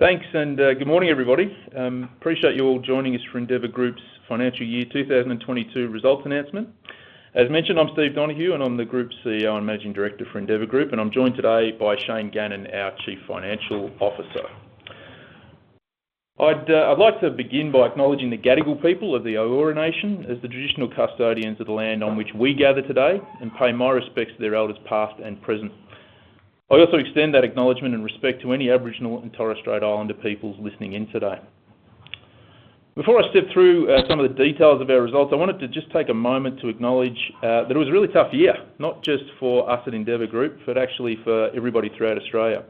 Thanks, good morning, everybody. Appreciate you all joining us for Endeavour Group's Financial Year 2022 results announcement. As mentioned, I'm Steve Donohue, and I'm the Group CEO and Managing Director for Endeavour Group, and I'm joined today by Shane Gannon, our Chief Financial Officer. I'd like to begin by acknowledging the Gadigal people of the Eora Nation as the traditional custodians of the land on which we gather today and pay my respects to their elders, past and present. I also extend that acknowledgement and respect to any Aboriginal and Torres Strait Islander peoples listening in today. Before I step through some of the details of our results, I wanted to just take a moment to acknowledge that it was a really tough year, not just for us at Endeavour Group, but actually for everybody throughout Australia.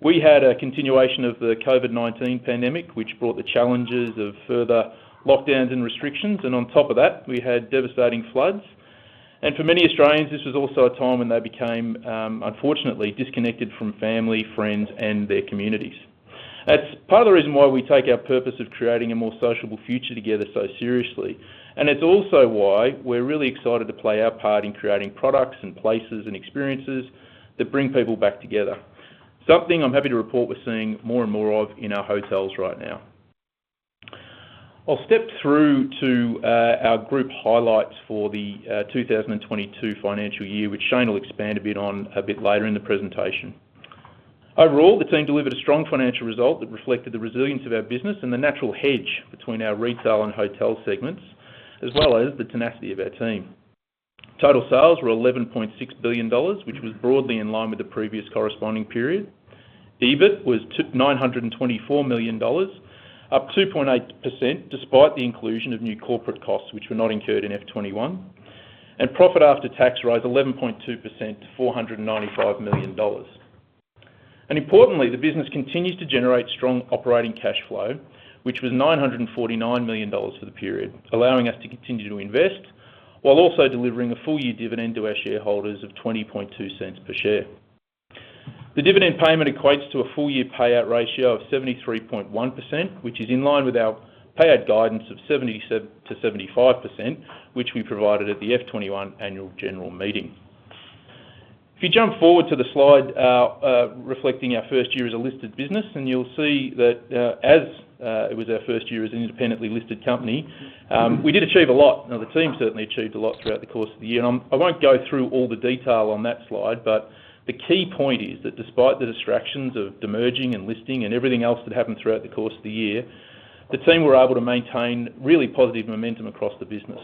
We had a continuation of the COVID-19 pandemic, which brought the challenges of further lockdowns and restrictions, and on top of that, we had devastating floods. For many Australians, this was also a time when they became, unfortunately disconnected from family, friends, and their communities. That's part of the reason why we take our purpose of creating a more sociable future together so seriously. It's also why we're really excited to play our part in creating products and places and experiences that bring people back together. Something I'm happy to report we're seeing more and more of in our hotels right now. I'll step through to our group highlights for the 2022 financial year, which Shane will expand a bit later in the presentation. Overall, the team delivered a strong financial result that reflected the resilience of our business and the natural hedge between our retail and hotel segments, as well as the tenacity of our team. Total sales were 11.6 billion dollars, which was broadly in line with the previous corresponding period. EBIT was 924 million dollars, up 2.8%, despite the inclusion of new corporate costs, which were not incurred in F2021. Profit after tax rose 11.2% to 495 million dollars. Importantly, the business continues to generate strong operating cash flow, which was 949 million dollars for the period, allowing us to continue to invest while also delivering a full-year dividend to our shareholders of 0.202 per share. The dividend payment equates to a full-year payout ratio of 73.1%, which is in line with our payout guidance of 70%-75%, which we provided at the F2021 annual general meeting. If you jump forward to the slide reflecting our first year as a listed business, and you'll see that, as it was our first year as an independently listed company, we did achieve a lot. Now, the team certainly achieved a lot throughout the course of the year, and I won't go through all the detail on that slide, but the key point is that despite the distractions of demerging and listing and everything else that happened throughout the course of the year, the team were able to maintain really positive momentum across the business.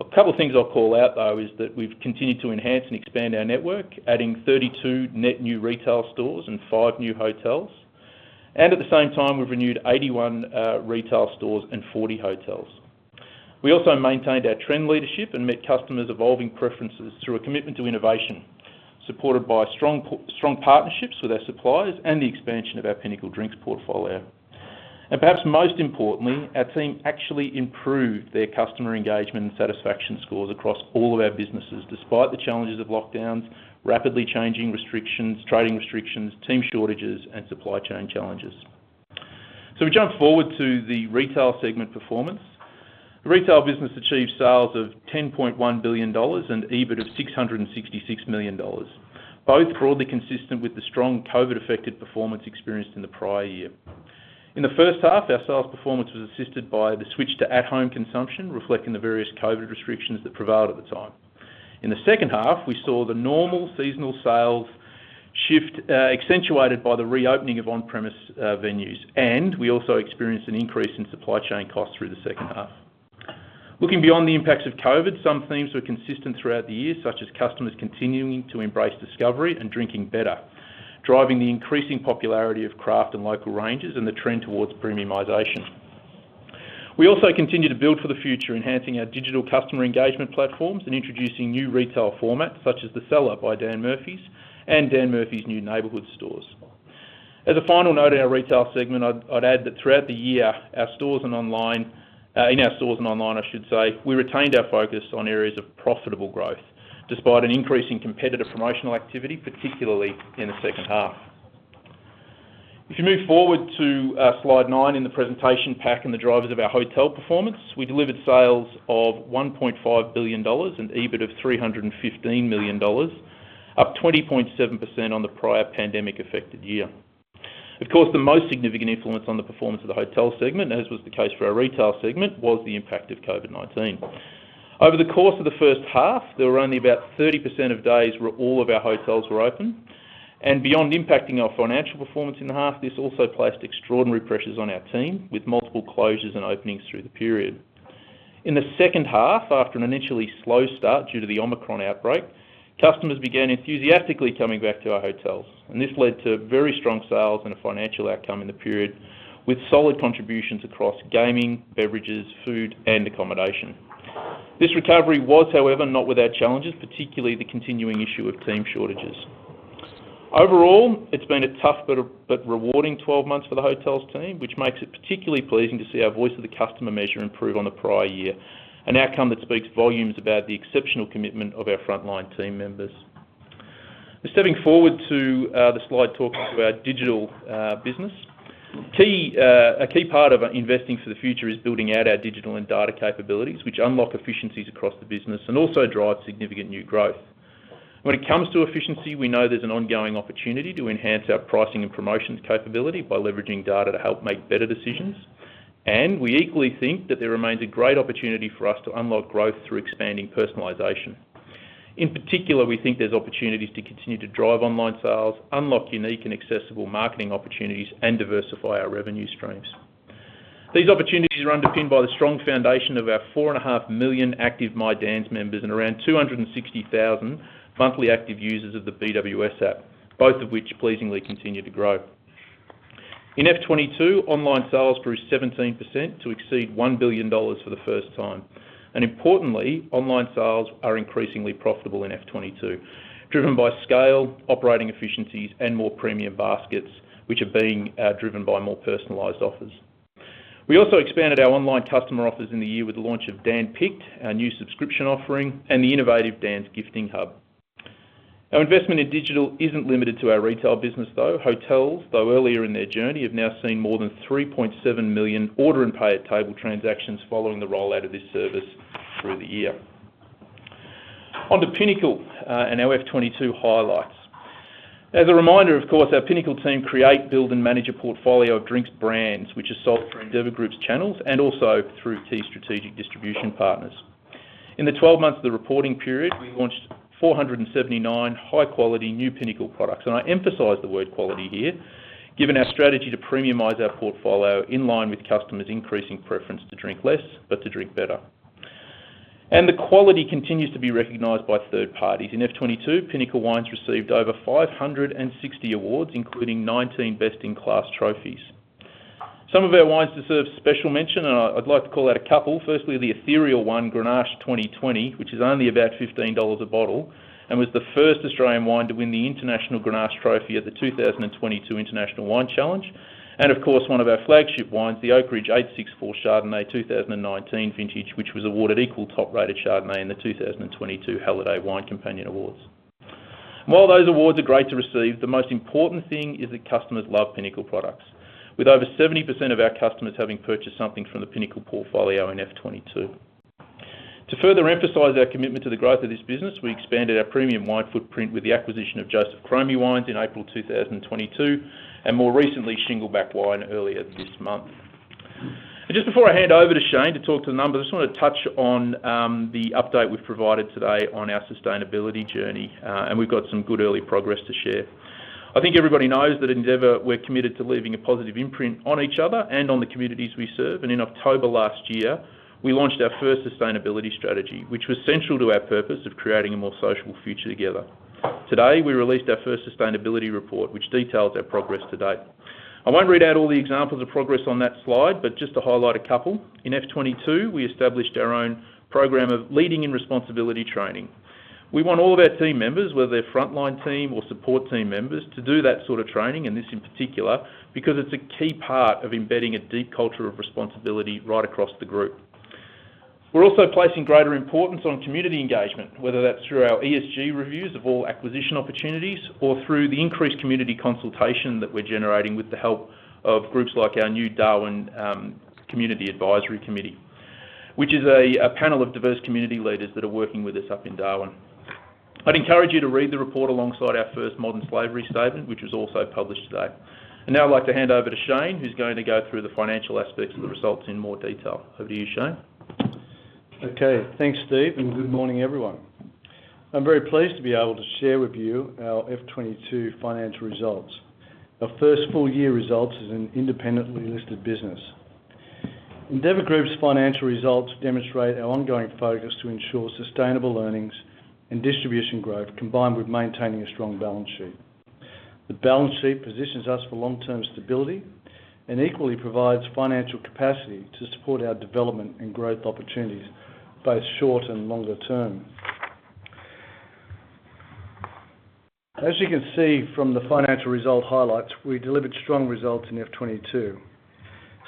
A couple of things I'll call out, though, is that we've continued to enhance and expand our network, adding 32 net new retail stores and five new hotels. At the same time, we've renewed 81 retail stores and 40 hotels. We also maintained our trend leadership and met customers' evolving preferences through a commitment to innovation, supported by strong partnerships with our suppliers and the expansion of our Pinnacle Drinks portfolio. Perhaps most importantly, our team actually improved their customer engagement and satisfaction scores across all of our businesses, despite the challenges of lockdowns, rapidly changing restrictions, trading restrictions, team shortages, and supply chain challenges. We jump forward to the retail segment performance. The retail business achieved sales of 10.1 billion dollars and EBIT of 666 million dollars, both broadly consistent with the strong COVID-affected performance experienced in the prior year. In the first half, our sales performance was assisted by the switch to at-home consumption, reflecting the various COVID restrictions that prevailed at the time. In the second half, we saw the normal seasonal sales shift, accentuated by the reopening of on-premise venues. We also experienced an increase in supply chain costs through the second half. Looking beyond the impacts of COVID, some themes were consistent throughout the year, such as customers continuing to embrace discovery and drinking better, driving the increasing popularity of craft and local ranges and the trend towards premiumization. We also continued to build for the future, enhancing our digital customer engagement platforms and introducing new retail formats such as The Cellar by Dan Murphy's and Dan Murphy's new Neighborhood stores. As a final note in our retail segment, I'd add that throughout the year, our stores and online, I should say, we retained our focus on areas of profitable growth, despite an increase in competitive promotional activity, particularly in the second half. If you move forward to slide nine in the presentation pack and the drivers of our hotel performance, we delivered sales of 1.5 billion dollars and EBIT of 315 million dollars, up 20.7% on the prior pandemic-affected year. Of course, the most significant influence on the performance of the hotel segment, as was the case for our retail segment, was the impact of COVID-19. Over the course of the first half, there were only about 30% of days where all of our hotels were open, and beyond impacting our financial performance in the half, this also placed extraordinary pressures on our team, with multiple closures and openings through the period. In the second half, after an initially slow start due to the Omicron outbreak, customers began enthusiastically coming back to our hotels, and this led to very strong sales and a financial outcome in the period, with solid contributions across gaming, beverages, food, and accommodation. This recovery was, however, not without challenges, particularly the continuing issue of team shortages. Overall, it's been a tough but rewarding 12 months for the hotels team, which makes it particularly pleasing to see our voice of the customer measure improve on the prior year, an outcome that speaks volumes about the exceptional commitment of our frontline team members. Stepping forward to the slide talking to our digital business. A key part of investing for the future is building out our digital and data capabilities, which unlock efficiencies across the business and also drive significant new growth. When it comes to efficiency, we know there's an ongoing opportunity to enhance our pricing and promotions capability by leveraging data to help make better decisions. We equally think that there remains a great opportunity for us to unlock growth through expanding personalization. In particular, we think there's opportunities to continue to drive online sales, unlock unique and accessible marketing opportunities, and diversify our revenue streams. These opportunities are underpinned by the strong foundation of our 4.5 million active My Dan's members and around 260,000 monthly active users of the BWS app, both of which pleasingly continue to grow. In F2022, online sales grew 17% to exceed 1 billion dollars for the first time. Importantly, online sales are increasingly profitable in F2022, driven by scale, operating efficiencies, and more premium baskets, which are being driven by more personalized offers. We also expanded our online customer offers in the year with the launch of Dan Picked, our new subscription offering, and the innovative Dan's Gifting Hub. Our investment in digital isn't limited to our retail business, though. Hotels, though earlier in their journey, have now seen more than 3.7 million order and pay at table transactions following the rollout of this service through the year. On to Pinnacle, and our F2022 highlights. As a reminder, of course, our Pinnacle team create, build, and manage a portfolio of drinks brands which are sold through Endeavour Group's channels and also through key strategic distribution partners. In the twelve months of the reporting period, we launched 479 high-quality new Pinnacle products, and I emphasize the word quality here, given our strategy to premiumize our portfolio in line with customers' increasing preference to drink less, but to drink better. The quality continues to be recognized by third parties. In F2022, Pinnacle Wines received over 560 awards, including 19 best-in-class trophies. Some of our wines deserve special mention, and I'd like to call out a couple. Firstly, the Ethereal One Grenache 2020, which is only about 15 dollars a bottle and was the first Australian wine to win the International Grenache Trophy at the 2022 International Wine Challenge. Of course, one of our flagship wines, the Oakridge 864 Chardonnay 2019 vintage, which was awarded equal top-rated Chardonnay in the 2022 Halliday Wine Companion Awards. While those awards are great to receive, the most important thing is that customers love Pinnacle products. With over 70% of our customers having purchased something from the Pinnacle portfolio in F2022. To further emphasize our commitment to the growth of this business, we expanded our premium wine footprint with the acquisition of Josef Chromy Wines in April 2022, and more recently, Shingleback Wine earlier this month. Just before I hand over to Shane to talk to the numbers, I just wanna touch on the update we've provided today on our sustainability journey, and we've got some good early progress to share. I think everybody knows that at Endeavour, we're committed to leaving a positive imprint on each other and on the communities we serve. In October last year, we launched our first sustainability strategy, which was central to our purpose of creating a more social future together. Today, we released our first sustainability report, which details our progress to date. I won't read out all the examples of progress on that slide, but just to highlight a couple. In F2022, we established our own program of leading in responsibility training. We want all of our team members, whether they're frontline team or support team members, to do that sort of training, and this in particular, because it's a key part of embedding a deep culture of responsibility right across the group. We're also placing greater importance on community engagement, whether that's through our ESG reviews of all acquisition opportunities or through the increased community consultation that we're generating with the help of groups like our new Darwin Community Advisory Committee, which is a panel of diverse community leaders that are working with us up in Darwin. I'd encourage you to read the report alongside our first modern slavery statement, which was also published today. Now I'd like to hand over to Shane, who's going to go through the financial aspects of the results in more detail. Over to you, Shane. Okay. Thanks, Steve, and good morning, everyone. I'm very pleased to be able to share with you our F2022 financial results. Our first full year results as an independently listed business. Endeavour Group's financial results demonstrate our ongoing focus to ensure sustainable earnings and distribution growth, combined with maintaining a strong balance sheet. The balance sheet positions us for long-term stability and equally provides financial capacity to support our development and growth opportunities, both short and longer term. As you can see from the financial result highlights, we delivered strong results in F2022.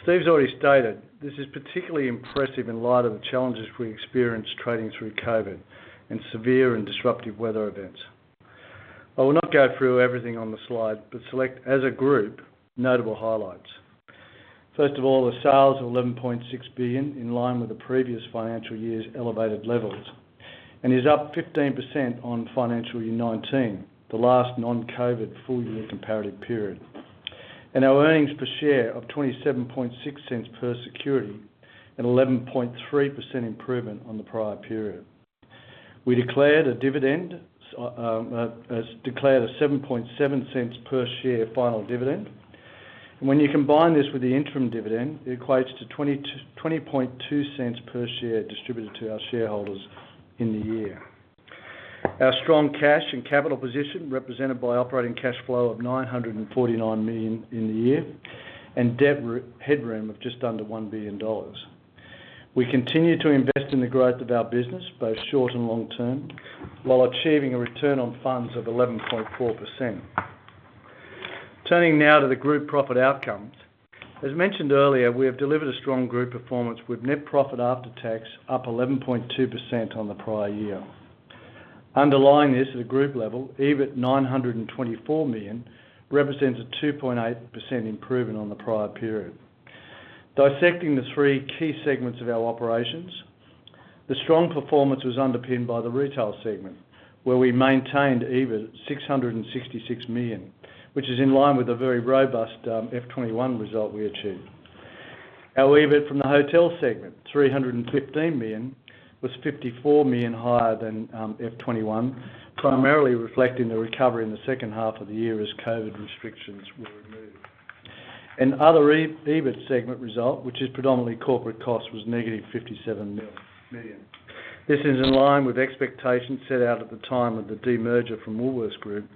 Steve's already stated this is particularly impressive in light of the challenges we experienced trading through COVID and severe and disruptive weather events. I will not go through everything on the slide, but select as a group notable highlights. First of all, the sales of 11.6 billion, in line with the previous financial year's elevated levels, and is up 15% on financial year nineteen, the last non-COVID full year comparative period. Our earnings per share of 0.276 per security, an 11.3% improvement on the prior period. We declared a 0.77 per share final dividend. When you combine this with the interim dividend, it equates to 0.202 per share distributed to our shareholders in the year. Our strong cash and capital position represented by operating cash flow of 949 million in the year, and debt headroom of just under 1 billion dollars. We continue to invest in the growth of our business, both short and long term, while achieving a return on funds of 11.4%. Turning now to the group profit outcomes. As mentioned earlier, we have delivered a strong group performance with net profit after tax up 11.2% on the prior year. Underlying this at a group level, EBIT 924 million represents a 2.8% improvement on the prior period. Dissecting the three key segments of our operations. The strong performance was underpinned by the retail segment, where we maintained EBIT 666 million, which is in line with a very robust F2021 result we achieved. Our EBIT from the hotel segment, 315 million, was 54 million higher than F2021, primarily reflecting the recovery in the second half of the year as COVID restrictions were removed. Other EBIT segment result, which is predominantly corporate costs, was -57 million. This is in line with expectations set out at the time of the demerger from Woolworths Group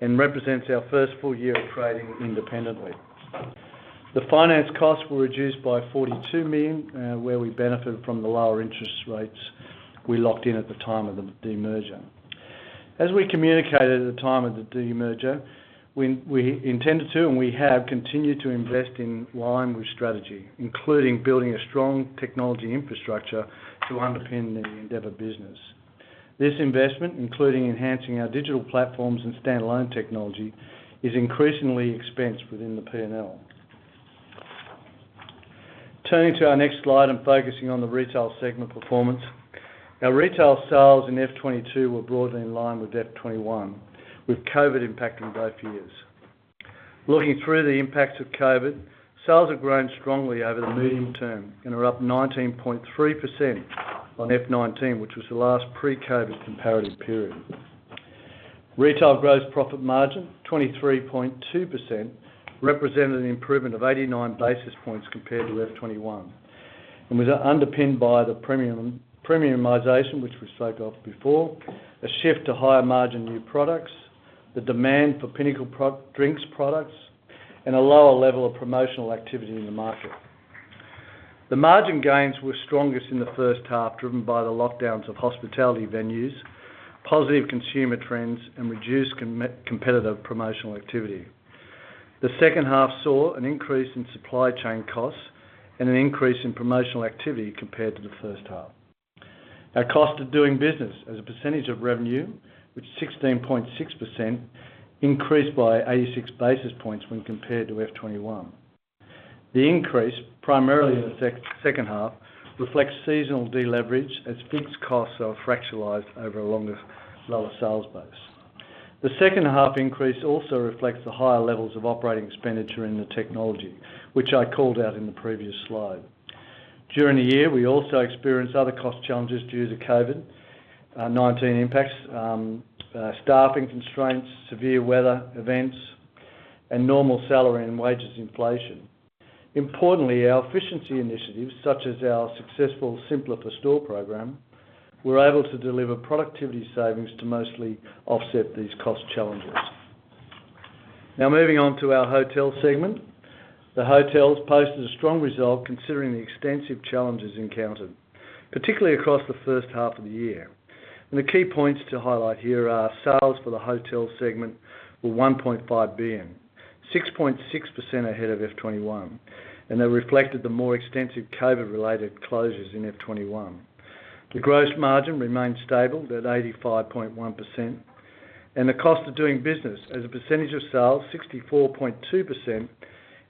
and represents our first full year of trading independently. The finance costs were reduced by 42 million, where we benefited from the lower interest rates we locked in at the time of the demerger. As we communicated at the time of the demerger, we intended to and we have continued to invest in line with strategy, including building a strong technology infrastructure to underpin the Endeavour business. This investment, including enhancing our digital platforms and standalone technology, is increasingly expensed within the P&L. Turning to our next slide and focusing on the retail segment performance. Our retail sales in F2022 were broadly in line with F2021, with COVID impacting both years. Looking through the impacts of COVID, sales have grown strongly over the medium term and are up 19.3% on F2019, which was the last pre-COVID comparative period. Retail gross profit margin, 23.2%, represented an improvement of 89 basis points compared to F2021 and was underpinned by the premiumization, which we spoke of before, a shift to higher margin new products, the demand for Pinnacle Drinks products, and a lower level of promotional activity in the market. The margin gains were strongest in the first half, driven by the lockdowns of hospitality venues, positive consumer trends, and reduced competitive promotional activity. The second half saw an increase in supply chain costs and an increase in promotional activity compared to the first half. Our cost of doing business as a percentage of revenue with 16.6% increased by 86 basis points when compared to F2021. The increase, primarily in the second half, reflects seasonal deleverage as fixed costs are fractionalized over a longer, lower sales base. The second half increase also reflects the higher levels of operating expenditure in the technology, which I called out in the previous slide. During the year, we also experienced other cost challenges due to COVID-19 impacts, staffing constraints, severe weather events, and normal salary and wages inflation. Importantly, our efficiency initiatives, such as our successful Simpler for Stores program, were able to deliver productivity savings to mostly offset these cost challenges. Now moving on to our hotel segment. The hotels posted a strong result considering the extensive challenges encountered, particularly across the first half of the year. The key points to highlight here are sales for the hotel segment were 1.5 billion, 6.6% ahead of F2021, and they reflected the more extensive COVID-related closures in F2021. The gross margin remained stable at 85.1%, and the cost of doing business as a percentage of sales, 64.2%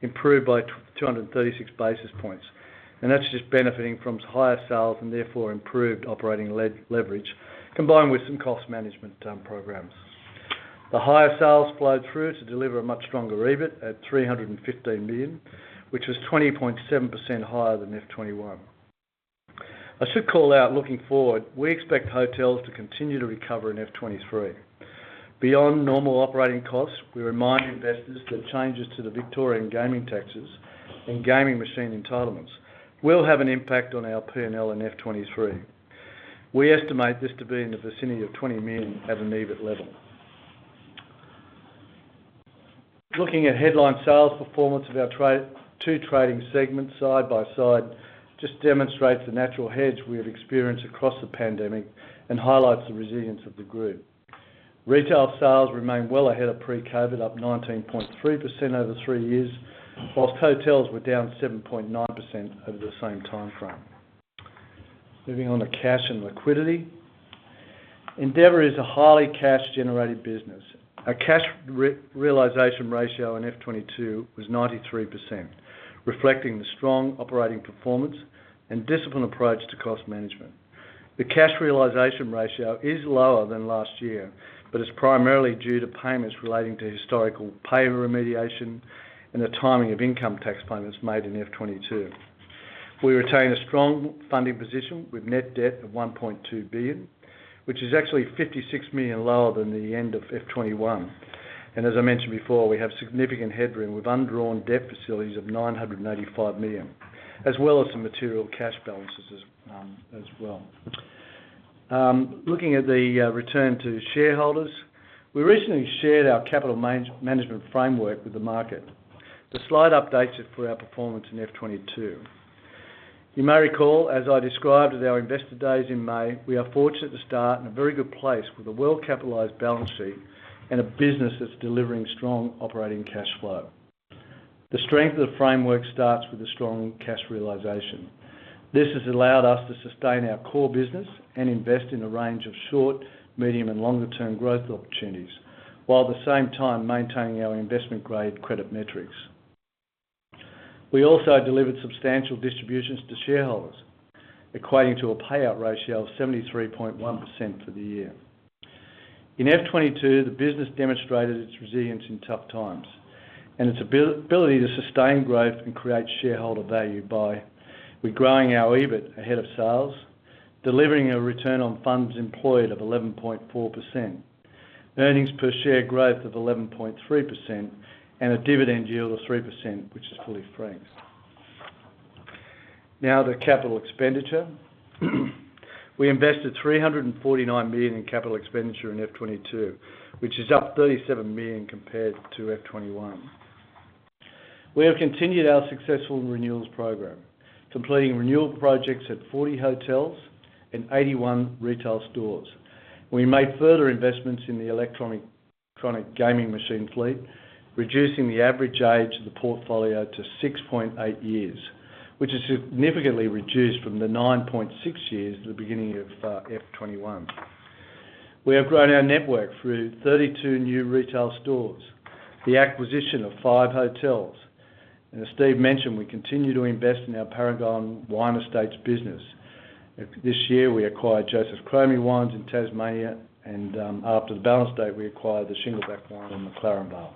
improved by 236 basis points. That's just benefiting from higher sales and therefore improved operating leverage combined with some cost management programs. The higher sales flowed through to deliver a much stronger EBIT at 315 million, which was 20.7% higher than F2021. I should call out, looking forward, we expect hotels to continue to recover in F2023. Beyond normal operating costs, we remind investors that changes to the Victorian gaming taxes and gaming machine entitlements will have an impact on our P&L in F2023. We estimate this to be in the vicinity of 20 million at an EBIT level. Looking at headline sales performance of our two trading segments side by side just demonstrates the natural hedge we have experienced across the pandemic and highlights the resilience of the group. Retail sales remain well ahead of pre-COVID, up 19.3% over three years, while hotels were down 7.9% over the same time frame. Moving on to cash and liquidity. Endeavour is a highly cash-generated business. Our cash re-realization ratio in F2022 was 93%, reflecting the strong operating performance and disciplined approach to cost management. The cash realization ratio is lower than last year, but it's primarily due to payments relating to historical pay remediation and the timing of income tax payments made in F2022. We retain a strong funding position with net debt of 1.2 billion, which is actually 56 million lower than the end of F2021. As I mentioned before, we have significant headroom with undrawn debt facilities of 985 million, as well as some material cash balances as well. Looking at the return to shareholders. We recently shared our capital management framework with the market. The slide updates it for our performance in F2022. You may recall, as I described at our Investor Days in May, we are fortunate to start in a very good place with a well-capitalized balance sheet and a business that's delivering strong operating cash flow. The strength of the framework starts with a strong cash realization. This has allowed us to sustain our core business and invest in a range of short, medium, and longer-term growth opportunities, while at the same time maintaining our investment grade credit metrics. We also delivered substantial distributions to shareholders, equating to a payout ratio of 73.1% for the year. In F2022, the business demonstrated its resilience in tough times, and its ability to sustain growth and create shareholder value. We're growing our EBIT ahead of sales, delivering a return on funds employed of 11.4%, earnings per share growth of 11.3%, and a dividend yield of 3%, which is fully franked. Now to capital expenditure. We invested 349 million in capital expenditure in F2022, which is up 37 million compared to F2021. We have continued our successful renewals program, completing renewal projects at 40 hotels and 81 retail stores. We made further investments in the electronic gaming machine fleet, reducing the average age of the portfolio to 6.8 years, which is significantly reduced from the 9.6 years at the beginning of F2021. We have grown our network through 32 new retail stores, the acquisition of five hotels, and as Steve mentioned, we continue to invest in our Paragon Wine Estates business. This year we acquired Josef Chromy Wines in Tasmania, and after the balance date, we acquired the Shingleback Wine in McLaren Vale.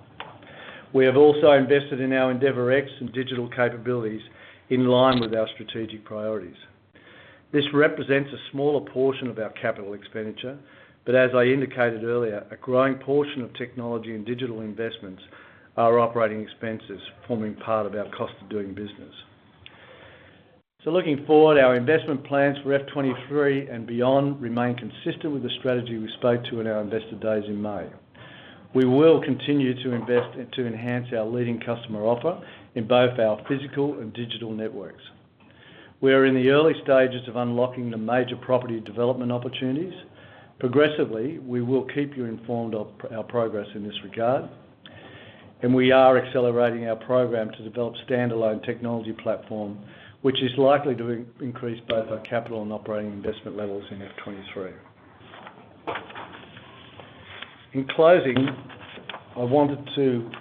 We have also invested in our endeavourX and digital capabilities in line with our strategic priorities. This represents a smaller portion of our capital expenditure, but as I indicated earlier, a growing portion of technology and digital investments are operating expenses, forming part of our cost of doing business. Looking forward, our investment plans for F2023 and beyond remain consistent with the strategy we spoke to at our Investor Days in May. We will continue to invest and to enhance our leading customer offer in both our physical and digital networks. We are in the early stages of unlocking the major property development opportunities. Progressively, we will keep you informed of our progress in this regard. We are accelerating our program to develop standalone technology platform, which is likely to increase both our capital and operating investment levels in F2023. In closing, I wanted to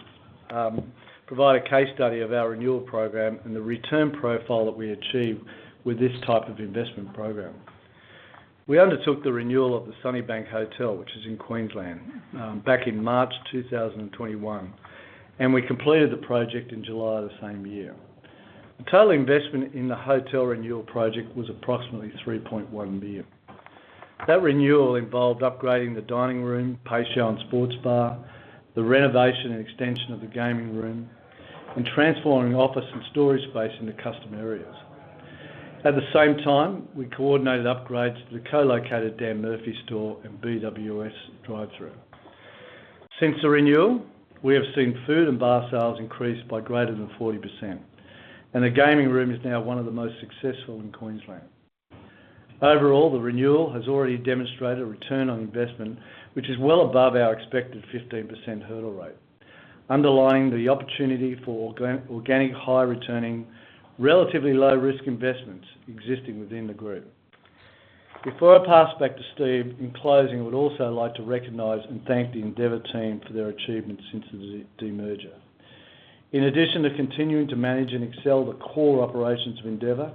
provide a case study of our renewal program and the return profile that we achieve with this type of investment program. We undertook the renewal of the Sunnybank Hotel, which is in Queensland, back in March 2021, and we completed the project in July of the same year. The total investment in the hotel renewal project was approximately 3.1 million. That renewal involved upgrading the dining room, patio, and sports bar, the renovation and extension of the gaming room, and transforming office and storage space into custom areas. At the same time, we coordinated upgrades to the co-located Dan Murphy's store and BWS drive-through. Since the renewal, we have seen food and bar sales increase by greater than 40%, and the gaming room is now one of the most successful in Queensland. Overall, the renewal has already demonstrated a return on investment which is well above our expected 15% hurdle rate, underlining the opportunity for organic, high-returning, relatively low-risk investments existing within the group. Before I pass back to Steve, in closing, I would also like to recognize and thank the Endeavour team for their achievements since the demerger. In addition to continuing to manage and excel the core operations of Endeavour,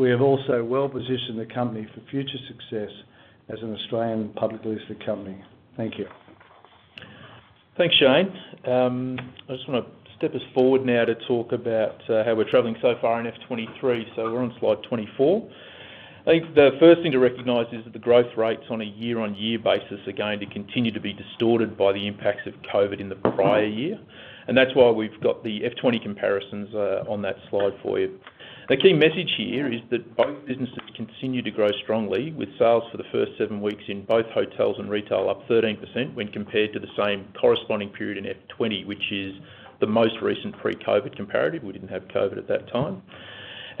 we have also well-positioned the company for future success as an Australian publicly listed company. Thank you. Thanks, Shane. I just wanna step us forward now to talk about how we're traveling so far in F2023. We're on slide 24. I think the first thing to recognize is that the growth rates on a year-on-year basis are going to continue to be distorted by the impacts of COVID in the prior year, and that's why we've got the F2020 comparisons on that slide for you. The key message here is that both businesses continue to grow strongly with sales for the first seven weeks in both hotels and retail up 13% when compared to the same corresponding period in F2020, which is the most recent pre-COVID comparative. We didn't have COVID at that time.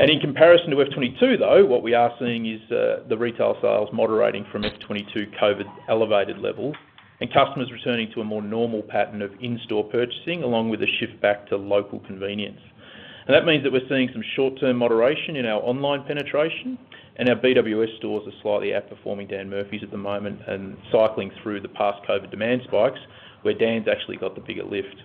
In comparison to F2022, though, what we are seeing is the retail sales moderating from F2022 COVID elevated levels and customers returning to a more normal pattern of in-store purchasing, along with a shift back to local convenience. That means that we're seeing some short-term moderation in our online penetration, and our BWS stores are slightly outperforming Dan Murphy's at the moment and cycling through the past COVID demand spikes, where Dan's actually got the bigger lift.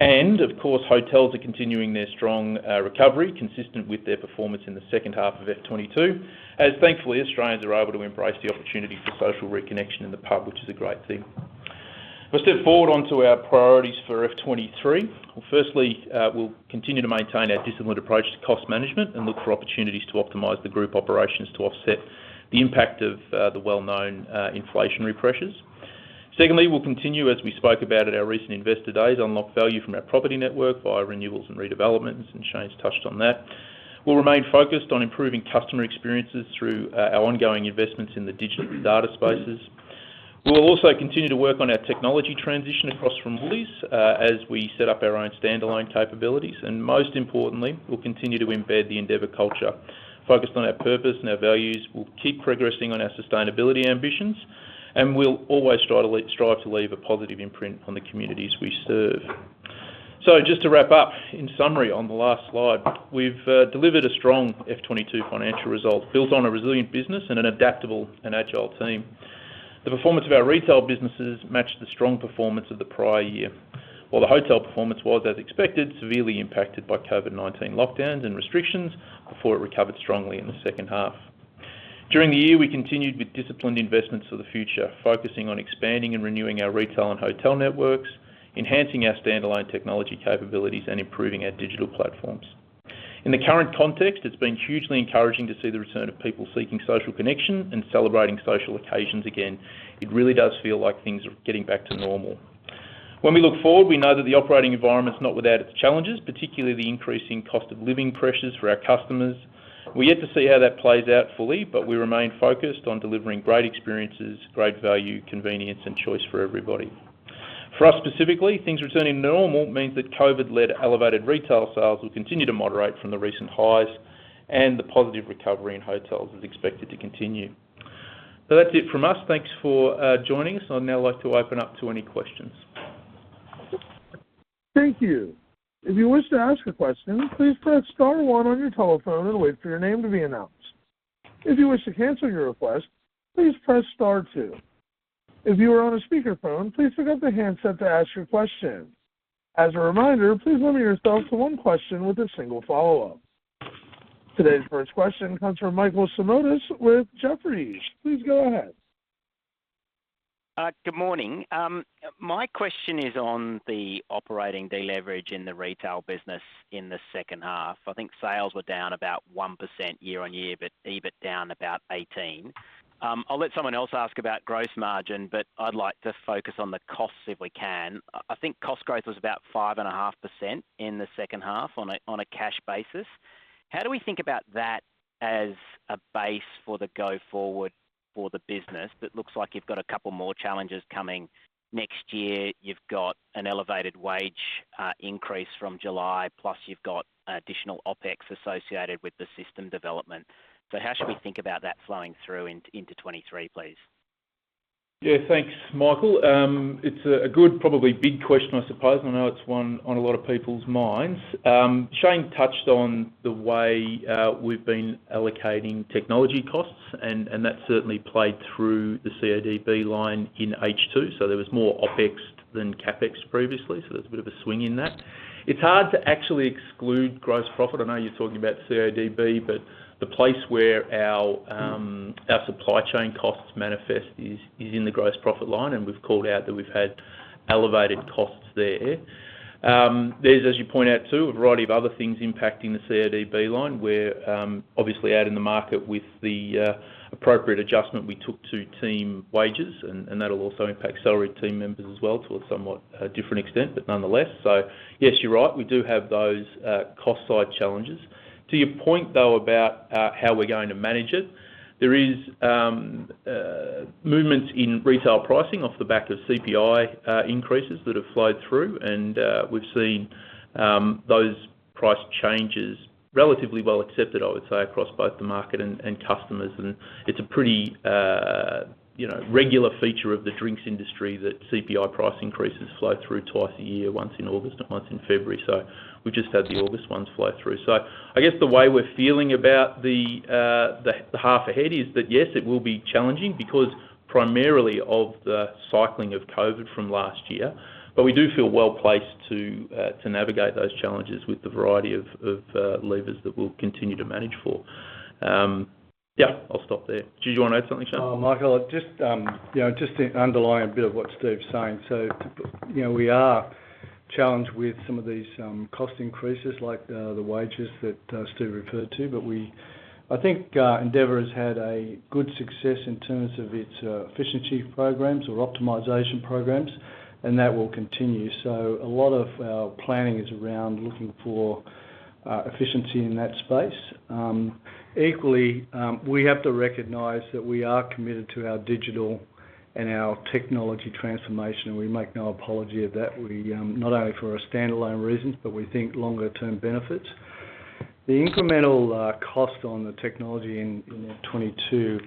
Of course, hotels are continuing their strong recovery consistent with their performance in the second half of F2022, as thankfully, Australians are able to embrace the opportunity for social reconnection in the pub, which is a great thing. If I step forward onto our priorities for F2023. Well, firstly, we'll continue to maintain our disciplined approach to cost management and look for opportunities to optimize the group operations to offset the impact of the well-known inflationary pressures. Secondly, we'll continue, as we spoke about at our recent Investor Days, to unlock value from our property network via renewals and redevelopments, and Shane's touched on that. We'll remain focused on improving customer experiences through our ongoing investments in the digital data spaces. We'll also continue to work on our technology transition across from Woolies, as we set up our own standalone capabilities. Most importantly, we'll continue to embed the Endeavour culture. Focused on our purpose and our values, we'll keep progressing on our sustainability ambitions, and we'll always try to strive to leave a positive imprint on the communities we serve. Just to wrap up, in summary on the last slide, we've delivered a strong F2022 financial result built on a resilient business and an adaptable and agile team. The performance of our retail businesses matched the strong performance of the prior year. While the hotel performance was as expected, severely impacted by COVID-19 lockdowns and restrictions before it recovered strongly in the second half. During the year, we continued with disciplined investments for the future, focusing on expanding and renewing our retail and hotel networks, enhancing our standalone technology capabilities, and improving our digital platforms. In the current context, it's been hugely encouraging to see the return of people seeking social connection and celebrating social occasions again. It really does feel like things are getting back to normal. When we look forward, we know that the operating environment is not without its challenges, particularly the increasing cost of living pressures for our customers. We're yet to see how that plays out fully, but we remain focused on delivering great experiences, great value, convenience, and choice for everybody. For us specifically, things returning to normal means that COVID-led elevated retail sales will continue to moderate from the recent highs, and the positive recovery in hotels is expected to continue. That's it from us. Thanks for joining us. I'd now like to open up to any questions. Thank you. If you wish to ask a question, please press star one on your telephone and wait for your name to be announced. If you wish to cancel your request, please press star two. If you are on a speakerphone, please pick up the handset to ask your question. As a reminder, please limit yourself to one question with a single follow-up. Today's first question comes from Michael Simotas with Jefferies. Please go ahead. Good morning. My question is on the operating deleverage in the retail business in the second half. I think sales were down about 1% year-on-year, but EBIT down about 18%. I'll let someone else ask about gross margin, but I'd like to focus on the costs if we can. I think cost growth was about 5.5% in the second half on a cash basis. How do we think about that as a base for the go forward for the business? That looks like you've got a couple more challenges coming. Next year, you've got an elevated wage increase from July, plus you've got additional OpEx associated with the system development. How should we think about that flowing through into 2023, please? Yeah, thanks, Michael. It's a good, probably big question, I suppose. I know it's one on a lot of people's minds. Shane touched on the way we've been allocating technology costs, and that's certainly played through the CODB line in H2. There was more OpEx than CapEx previously, so there's a bit of a swing in that. It's hard to actually exclude gross profit. I know you're talking about CODB, but the place where our supply chain costs manifest is in the gross profit line, and we've called out that we've had elevated costs there. There's, as you point out, too, a variety of other things impacting the CODB line. We're obviously out in the market with the appropriate adjustment we took to team wages and that'll also impact salaried team members as well to a somewhat different extent, but nonetheless. Yes, you're right. We do have those cost side challenges. To your point, though, about how we're going to manage it, there is movements in retail pricing off the back of CPI increases that have flowed through. We've seen those price changes relatively well accepted, I would say, across both the market and customers. It's a pretty you know, regular feature of the drinks industry that CPI price increases flow through twice a year, once in August and once in February. We've just had the August ones flow through. I guess the way we're feeling about the half ahead is that yes, it will be challenging because primarily of the cycling of COVID from last year. We do feel well-placed to navigate those challenges with the variety of levers that we'll continue to manage for. Yeah, I'll stop there. Did you wanna add something, Shane? Michael, just, you know, just to underline a bit of what Steve's saying. To put you know, we are challenged with some of these, cost increases like, the wages that, Steve referred to. I think, Endeavour has had a good success in terms of its, efficiency programs or optimization programs, and that will continue. A lot of our planning is around looking for, efficiency in that space. Equally, we have to recognize that we are committed to our digital and our technology transformation, and we make no apology of that. We, not only for our standalone reasons, but we think longer term benefits. The incremental, cost on the technology in the 2022,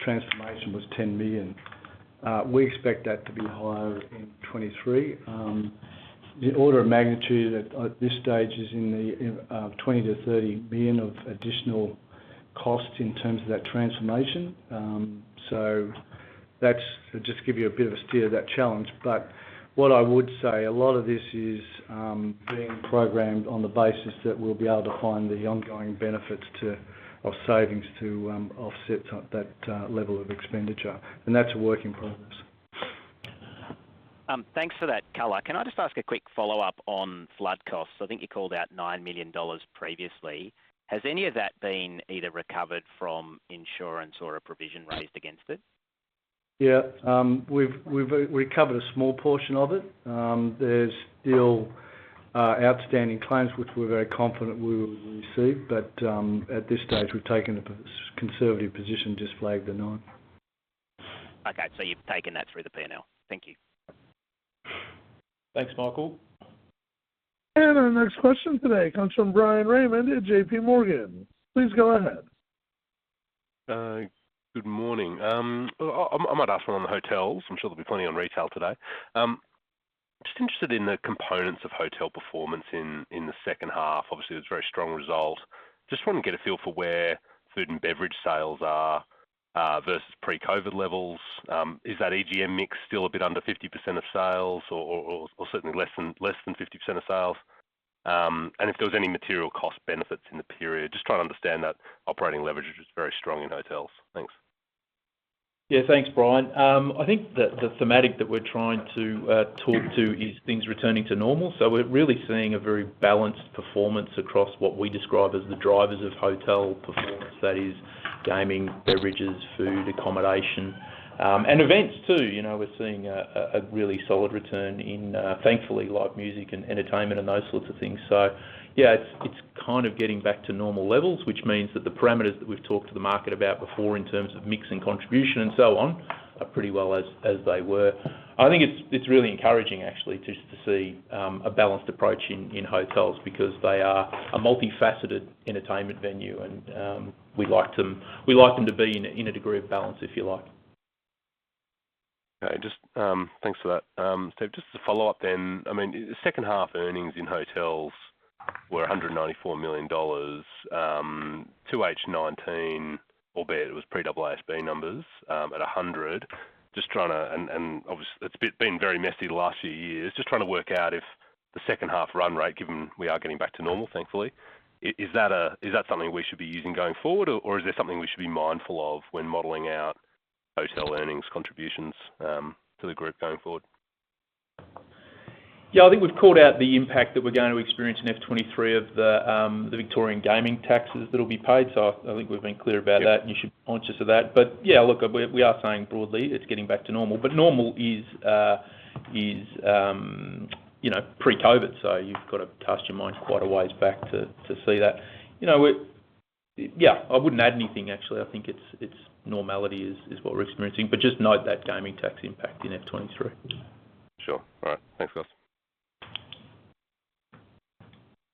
transformation was 10 million. We expect that to be higher in 2023. The order of magnitude at this stage is in the 20 million-30 million of additional costs in terms of that transformation. That's just to give you a bit of a steer of that challenge. What I would say, a lot of this is being programmed on the basis that we'll be able to find the ongoing benefits of savings to offset that level of expenditure. That's a work in progress. Thanks for that color. Can I just ask a quick follow-up on flood costs? I think you called out 9 million dollars previously. Has any of that been either recovered from insurance or a provision raised against it? Yeah. We've recovered a small portion of it. There's still outstanding claims, which we're very confident we will receive. At this stage, we've taken a conservative position, just flagged the 9. Okay. You've taken that through the P&L. Thank you. Thanks, Michael. Our next question today comes from Bryan Raymond at JPMorgan. Please go ahead. Good morning. I might ask one on the hotels. I'm sure there'll be plenty on retail today. Just interested in the components of hotel performance in the second half. Obviously, it's very strong result. Just wanna get a feel for where food and beverage sales are versus pre-COVID levels. Is that EGM mix still a bit under 50% of sales or certainly less than 50% of sales? And if there was any material cost benefits in the period. Just trying to understand that operating leverage is very strong in hotels. Thanks. Yeah. Thanks, Bryan. I think the thematic that we're trying to talk to is things returning to normal. We're really seeing a very balanced performance across what we describe as the drivers of hotel performance. That is gaming, beverages, food, accommodation, and events too. You know, we're seeing a really solid return in, thankfully, live music and entertainment and those sorts of things. Yeah, it's kind of getting back to normal levels, which means that the parameters that we've talked to the market about before in terms of mix and contribution and so on are pretty well as they were. I think it's really encouraging actually to see a balanced approach in hotels because they are a multifaceted entertainment venue, and we like them to be in a degree of balance, if you like. Okay. Just thanks for that. Just to follow up then, I mean, second half earnings in hotels were 194 million dollars to H1 2019, albeit it was pre-AASB numbers at 100 million. It's been very messy the last few years. Just trying to work out if the second half run rate, given we are getting back to normal, thankfully, is that something we should be using going forward or is there something we should be mindful of when modeling out hotel earnings contributions to the group going forward? Yeah. I think we've called out the impact that we're going to experience in F2023 of the Victorian gaming taxes that'll be paid. So I think we've been clear about that, and you should be conscious of that. But yeah, look, we are saying broadly it's getting back to normal. But normal is, you know, pre-COVID. So you've got to cast your mind quite a ways back to see that. You know, yeah. I wouldn't add anything actually. I think it's normality is what we're experiencing. But just note that gaming tax impact in F2023. Sure. All right. Thanks guys.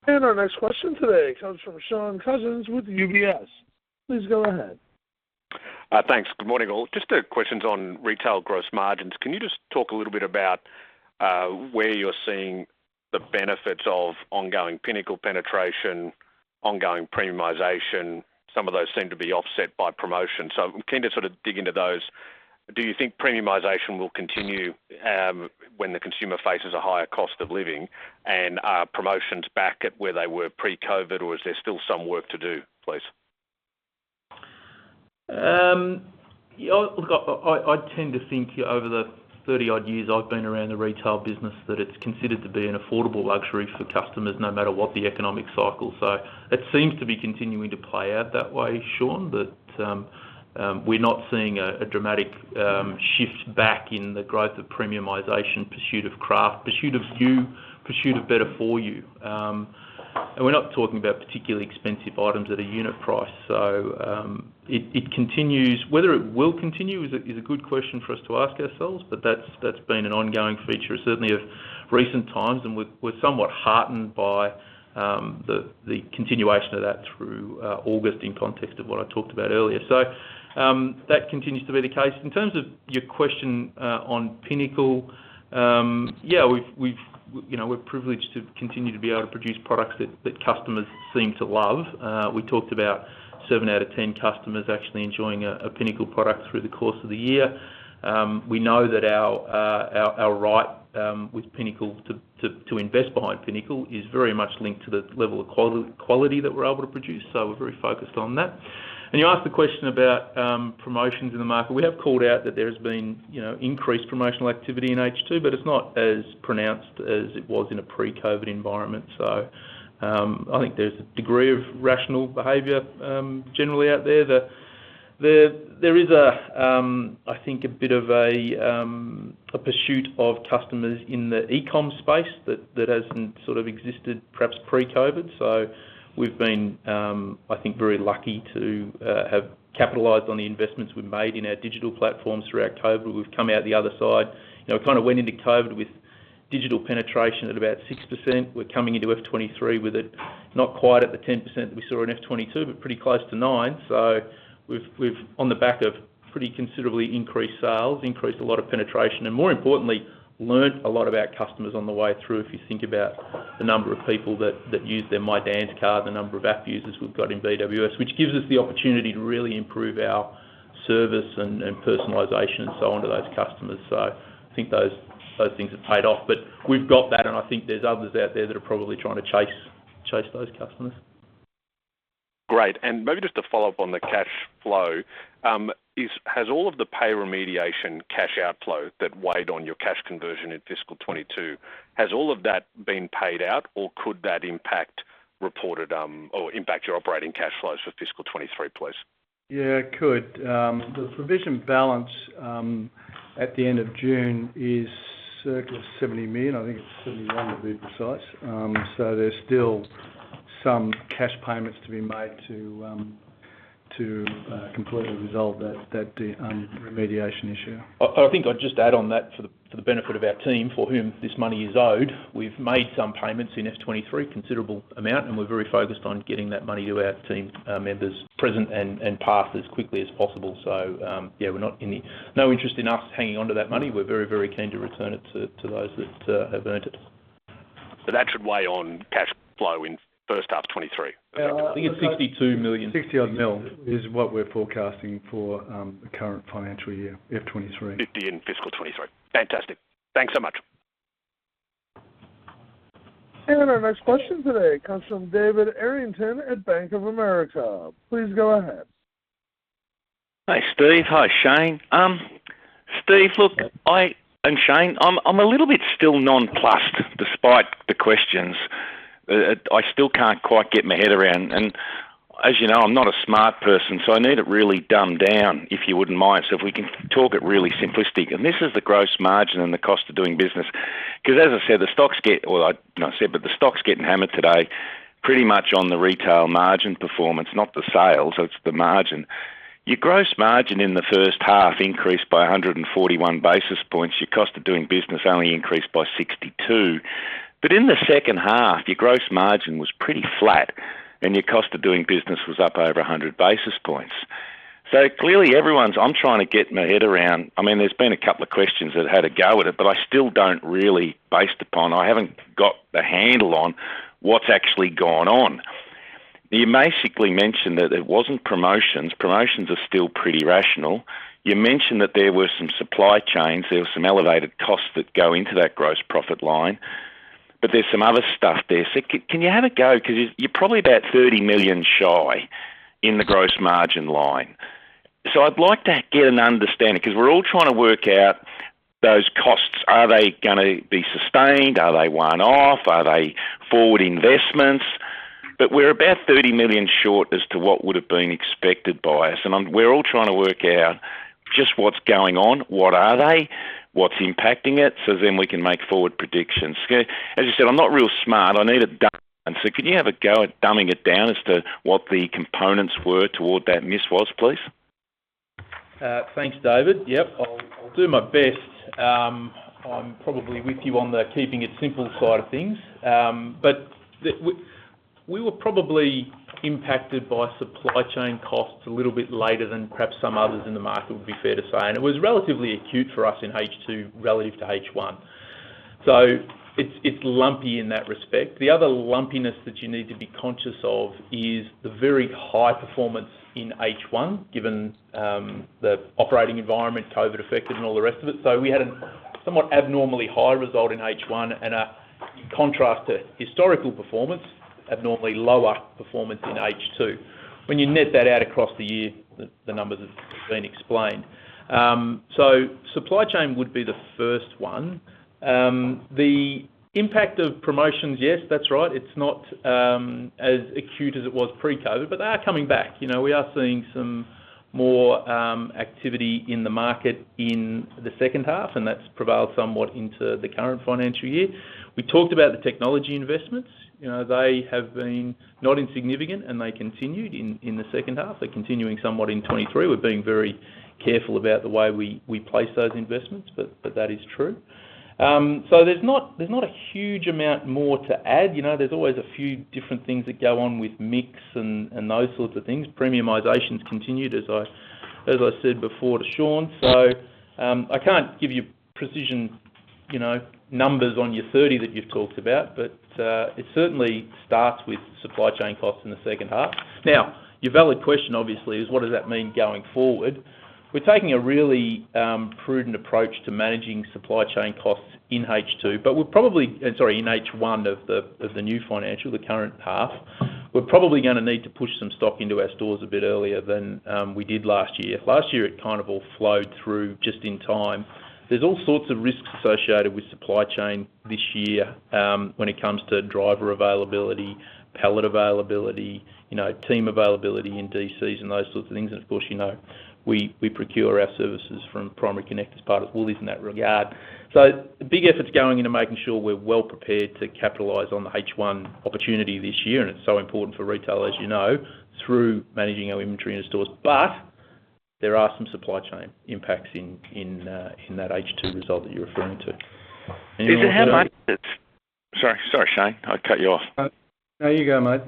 Our next question today comes from Shaun Cousins with UBS. Please go ahead. Thanks. Good morning all. Just a question on retail gross margins. Can you just talk a little bit about where you're seeing the benefits of ongoing Pinnacle penetration, ongoing premiumization? Some of those seem to be offset by promotions. I'm keen to sort of dig into those. Do you think premiumization will continue, when the consumer faces a higher cost of living and promotions back to where they were pre-COVID or is there still some work to do, please? Yeah, look, I tend to think over the 30-odd years I've been around the retail business that it's considered to be an affordable luxury for customers no matter what the economic cycle. It seems to be continuing to play out that way, Shaun, but we're not seeing a dramatic shift back in the growth of premiumization, pursuit of craft, pursuit of new, pursuit of better for you. We're not talking about particularly expensive items at a unit price. It continues. Whether it will continue is a good question for us to ask ourselves, but that's been an ongoing feature certainly of recent times, and we're somewhat heartened by the continuation of that through August in context of what I talked about earlier. That continues to be the case. In terms of your question on Pinnacle, yeah, we've you know, we're privileged to continue to be able to produce products that customers seem to love. We talked about seven out of 10 customers actually enjoying a Pinnacle product through the course of the year. We know that our right with Pinnacle to invest behind Pinnacle is very much linked to the level of quality that we're able to produce, so we're very focused on that. You asked the question about promotions in the market. We have called out that there has been you know, increased promotional activity in H2, but it's not as pronounced as it was in a pre-COVID environment. I think there's a degree of rational behavior generally out there. There is, I think, a bit of a pursuit of customers in the e-com space that hasn't sort of existed perhaps pre-COVID. We've been, I think, very lucky to have capitalized on the investments we've made in our digital platforms throughout COVID. We've come out the other side. You know, we kind of went into COVID with digital penetration at about 6%. We're coming into F2023 with it not quite at the 10% we saw in F2022, but pretty close to 9%. We've on the back of pretty considerably increased sales, increased a lot of penetration, and more importantly, learnt a lot about customers on the way through, if you think about the number of people that use their My Dan's card, the number of app users we've got in BWS, which gives us the opportunity to really improve our service and personalization and so on to those customers. I think those things have paid off. We've got that, and I think there's others out there that are probably trying to chase those customers. Great. Maybe just to follow up on the cash flow. Has all of the pay remediation cash outflow that weighed on your cash conversion in fiscal 2022, has all of that been paid out or could that impact reported or impact your operating cash flows for fiscal 2023, please? Yeah, it could. The provision balance at the end of June is circa 70 million. I think it's 71 to be precise. There's still some cash payments to be made to completely resolve that the remediation issue. I think I'd just add on that for the benefit of our team for whom this money is owed. We've made some payments in F2023, considerable amount, and we're very focused on getting that money to our team members present and past as quickly as possible. No interest in us hanging onto that money. We're very keen to return it to those that have earned it. That should weigh on cash flow in first half 2023. I think it's 62 million. 60-odd million is what we're forecasting for the current financial year, F2023. 50 in fiscal 2023. Fantastic. Thanks so much. Our next question today comes from David Errington at Bank of America. Please go ahead. Hi, Steve. Hi, Shane. Steve, look, and Shane, I'm a little bit still nonplussed despite the questions. I still can't quite get my head around. As you know, I'm not a smart person, so I need it really dumbed down, if you wouldn't mind. If we can talk it really simplistic, and this is the gross margin and the cost of doing business, 'cause as I said, the stock's getting hammered today pretty much on the retail margin performance, not the sales. It's the margin. Your gross margin in the first half increased by 141 basis points. Your cost of doing business only increased by 62. But in the second half, your gross margin was pretty flat, and your cost of doing business was up over 100 basis points. Clearly, I'm trying to get my head around. I mean, there's been a couple of questions that had a go at it, but I still don't really, based upon, I haven't got the handle on what's actually gone on. You basically mentioned that it wasn't promotions. Promotions are still pretty rational. You mentioned that there were some supply chains, there were some elevated costs that go into that gross profit line, but there's some other stuff there. Can you have a go? 'Cause you're probably about 30 million shy in the gross margin line. I'd like to get an understanding 'cause we're all trying to work out those costs. Are they gonna be sustained? Are they one-off? Are they forward investments? We're about 30 million short as to what would've been expected by us, and we're all trying to work out just what's going on, what are they, what's impacting it, so then we can make forward predictions. As you said, I'm not real smart. I need it done. Can you have a go at dumbing it down as to what the components were toward that miss was, please? Thanks, David. Yep, I'll do my best. I'm probably with you on the keeping it simple side of things. But we were probably impacted by supply chain costs a little bit later than perhaps some others in the market, would be fair to say. It was relatively acute for us in H2 relative to H1. It's lumpy in that respect. The other lumpiness that you need to be conscious of is the very high performance in H1, given the operating environment, COVID affected and all the rest of it. We had a somewhat abnormally high result in H1 and a contrast to historical performance, abnormally lower performance in H2. When you net that out across the year, the numbers have been explained. Supply chain would be the first one. The impact of promotions, yes, that's right. It's not as acute as it was pre-COVID, but they are coming back. You know, we are seeing some more activity in the market in the second half, and that's prevailed somewhat into the current financial year. We talked about the technology investments. You know, they have been not insignificant, and they continued in the second half. They're continuing somewhat in 2023. We're being very careful about the way we place those investments, but that is true. There's not a huge amount more to add. You know, there's always a few different things that go on with mix and those sorts of things. Premiumization's continued as I said before to Shaun. I can't give you precision, you know, numbers on your 30 that you've talked about, but it certainly starts with supply chain costs in the second half. Now, your valid question obviously is what does that mean going forward? We're taking a really prudent approach to managing supply chain costs in H2, but in H1 of the new financial, the current FY. We're probably gonna need to push some stock into our stores a bit earlier than we did last year. Last year, it kind of all flowed through just in time. There's all sorts of risks associated with supply chain this year, when it comes to driver availability, pallet availability, you know, team availability in DCs and those sorts of things. Of course, you know, we procure our services from Primary Connect, part of Woolies in that regard. Big efforts going into making sure we're well prepared to capitalize on the H1 opportunity this year, and it's so important for retail, as you know, through managing our inventory in our stores. There are some supply chain impacts in that H2 result that you're referring to. Anyone want to- Sorry, Shane. I cut you off. No, no, you go, mate.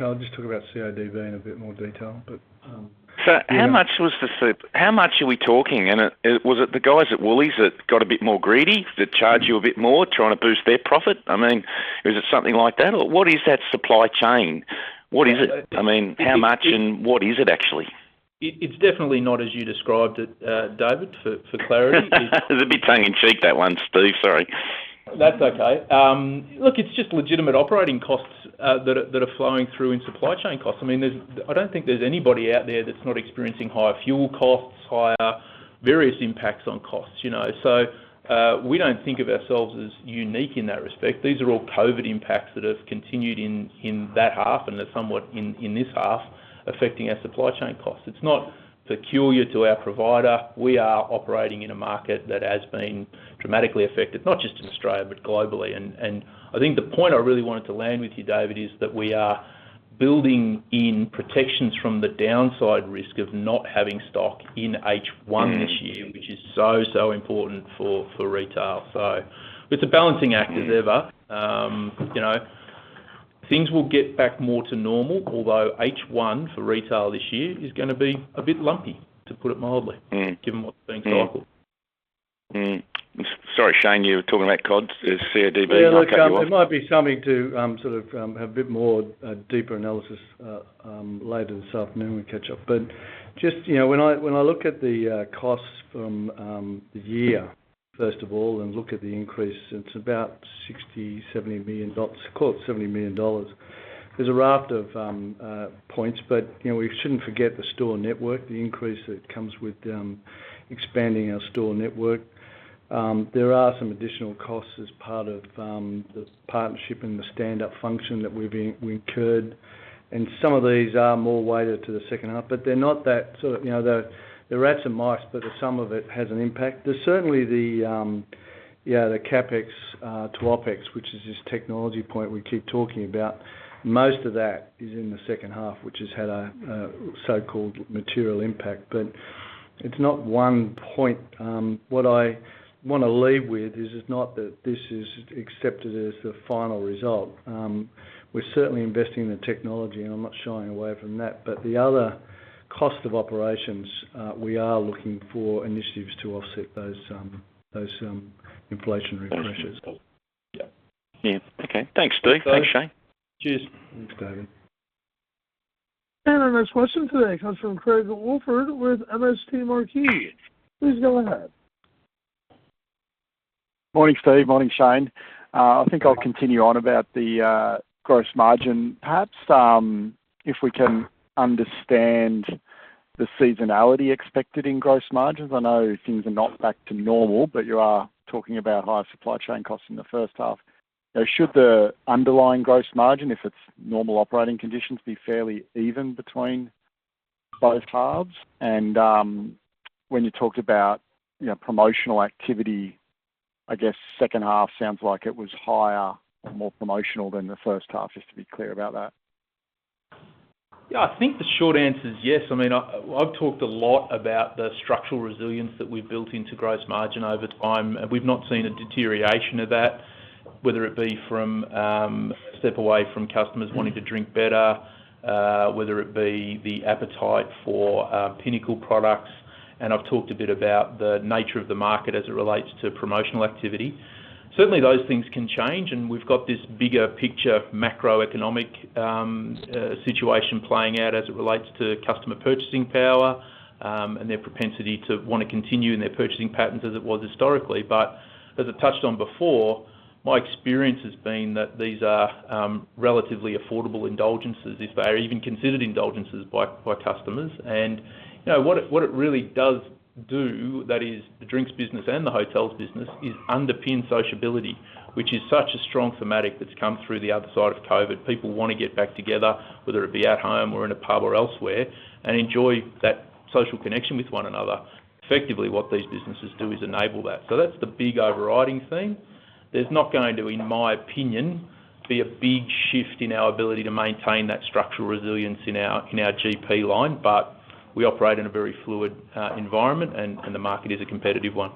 I'll just talk about CODB in a bit more detail. How much are we talking? Was it the guys at Woolies that got a bit more greedy, that charged you a bit more trying to boost their profit? I mean, is it something like that, or what is that supply chain? What is it? I mean, how much and what is it actually? It's definitely not as you described it, David, for clarity. It was a bit tongue-in-cheek, that one, Steve. Sorry. That's okay. Look, it's just legitimate operating costs that are flowing through in supply chain costs. I mean, there's I don't think there's anybody out there that's not experiencing higher fuel costs, higher various impacts on costs, you know. We don't think of ourselves as unique in that respect. These are all COVID impacts that have continued in that half and are somewhat in this half affecting our supply chain costs. It's not peculiar to our provider. We are operating in a market that has been dramatically affected, not just in Australia but globally. I think the point I really wanted to land with you, David, is that we are building in protections from the downside risk of not having stock in H1 this year, which is so important for retail. It's a balancing act as ever. You know, things will get back more to normal, although H1 for retail this year is gonna be a bit lumpy, to put it mildly. Mm. Given what's been cycled. Sorry, Shane, you were talking about CODs. Is CODB like yours? Yeah. Look, it might be something to sort of have a bit more deeper analysis later this afternoon when we catch up. Just, you know, when I look at the costs from the year, first of all, and look at the increase, it's about 60 million-70 million dollars. Close to 70 million dollars. There's a raft of points, but, you know, we shouldn't forget the store network, the increase that comes with expanding our store network. There are some additional costs as part of the partnership and the standup function that we incurred. Some of these are more weighted to the second half, but they're not that sort of, you know, the, they're rats and mice, but the sum of it has an impact. There's certainly the CapEx to OpEx, which is this technology point we keep talking about. Most of that is in the second half, which has had a so-called material impact. It's not one point. What I wanna leave with is it's not that this is accepted as the final result. We're certainly investing in technology, and I'm not shying away from that. The other cost of operations, we are looking for initiatives to offset those inflationary pressures. Yeah. Okay. Thanks, Steve. Thanks, Shane. Cheers. Thanks, David. Our next question today comes from Craig Woolford with MST Marquee. Please go ahead. Morning, Steve. Morning, Shane. I think I'll continue on about the gross margin perhaps. If we can understand the seasonality expected in gross margins? I know things are not back to normal, but you are talking about higher supply chain costs in the first half. Should the underlying gross margin, if it's normal operating conditions, be fairly even between both halves? When you talked about, you know, promotional activity, I guess second half sounds like it was higher or more promotional than the first half, just to be clear about that? Yeah. I think the short answer is yes. I mean, I've talked a lot about the structural resilience that we've built into gross margin over time. We've not seen a deterioration of that, whether it be from a step away from customers wanting to drink better, whether it be the appetite for Pinnacle products, and I've talked a bit about the nature of the market as it relates to promotional activity. Certainly, those things can change, and we've got this bigger picture macroeconomic situation playing out as it relates to customer purchasing power, and their propensity to wanna continue in their purchasing patterns as it was historically. As I touched on before, my experience has been that these are relatively affordable indulgences, if they are even considered indulgences by customers. You know, what it really does do, that is, the drinks business and the hotels business, is underpin sociability, which is such a strong theme that's come through the other side of COVID-19. People wanna get back together, whether it be at home or in a pub or elsewhere, and enjoy that social connection with one another. Effectively, what these businesses do is enable that. That's the big overriding theme. There's not going to, in my opinion, be a big shift in our ability to maintain that structural resilience in our GP line, but we operate in a very fluid environment, and the market is a competitive one.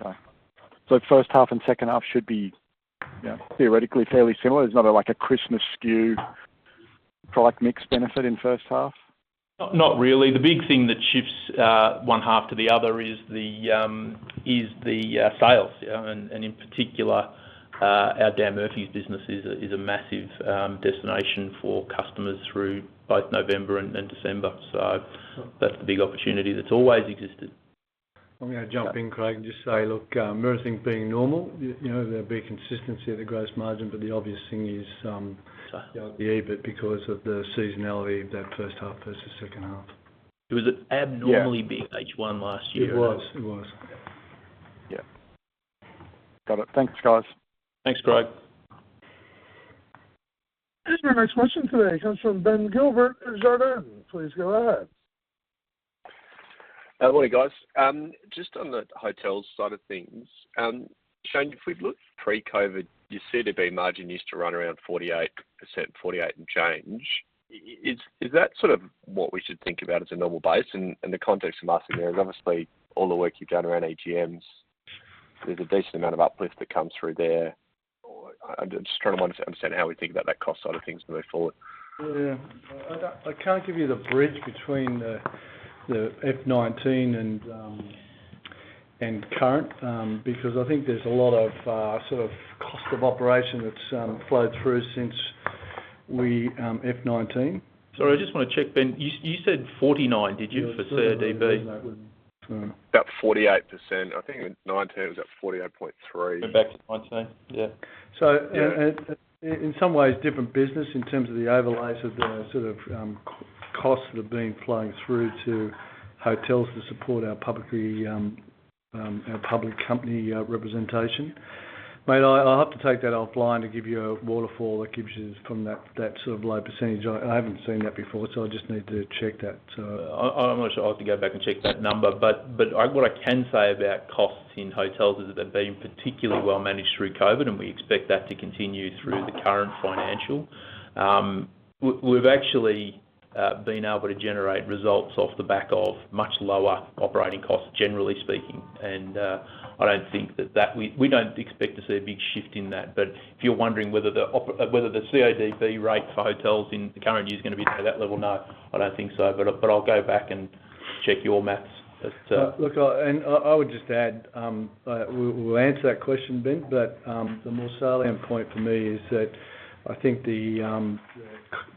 Okay. First half and second half should be, you know, theoretically fairly similar. There's not a, like, a Christmas skew product mix benefit in first half? Not really. The big thing that shifts one half to the other is the sales, you know. In particular, our Dan Murphy's business is a massive destination for customers through both November and December. That's the big opportunity that's always existed. I'm gonna jump in, Craig, and just say, look, everything being normal, you know, there'll be a consistency of the gross margin, but the obvious thing is. Sure the EBIT because of the seasonality of that first half versus second half. It was an abnormally big H1 last year. It was. Yeah. Got it. Thanks, guys. Thanks, Craig. Our next question today comes from Ben Gilbert at Jarden. Please go ahead. Good morning, guys. Just on the hotels side of things, Shane, if we'd looked pre-COVID, your CODB margin used to run around 48%, 48% and change. Is that sort of what we should think about as a normal base? The context I'm asking there is obviously all the work you've done around EGMs. There's a decent amount of uplift that comes through there. I'm just trying to understand how we think about that cost side of things moving forward. I can't give you the bridge between the F2019 and current, because I think there's a lot of sort of cost of operation that's flowed through since we F2019. Sorry, I just wanna check, Ben, you said 49%, did you, for CODB? About 48%. I think in 2019 it was at 48.3%. Back to 2019. Yeah. In some ways, different business in terms of the overlays of the sort of costs that have been flowing through to hotels to support our publicly our public company representation. Mate, I'll have to take that offline to give you a waterfall that gives you from that sort of low percentage. I haven't seen that before, so I just need to check that. I'm not sure. I'll have to go back and check that number. What I can say about costs in hotels is they've been particularly well managed through COVID, and we expect that to continue through the current financial. We've actually been able to generate results off the back of much lower operating costs, generally speaking. I don't think that. We don't expect to see a big shift in that. If you're wondering whether the CODB rate for hotels in the current year is gonna be near that level, no, I don't think so. I'll go back and check your math. Look, I would just add, we'll answer that question, Ben. The more salient point for me is that I think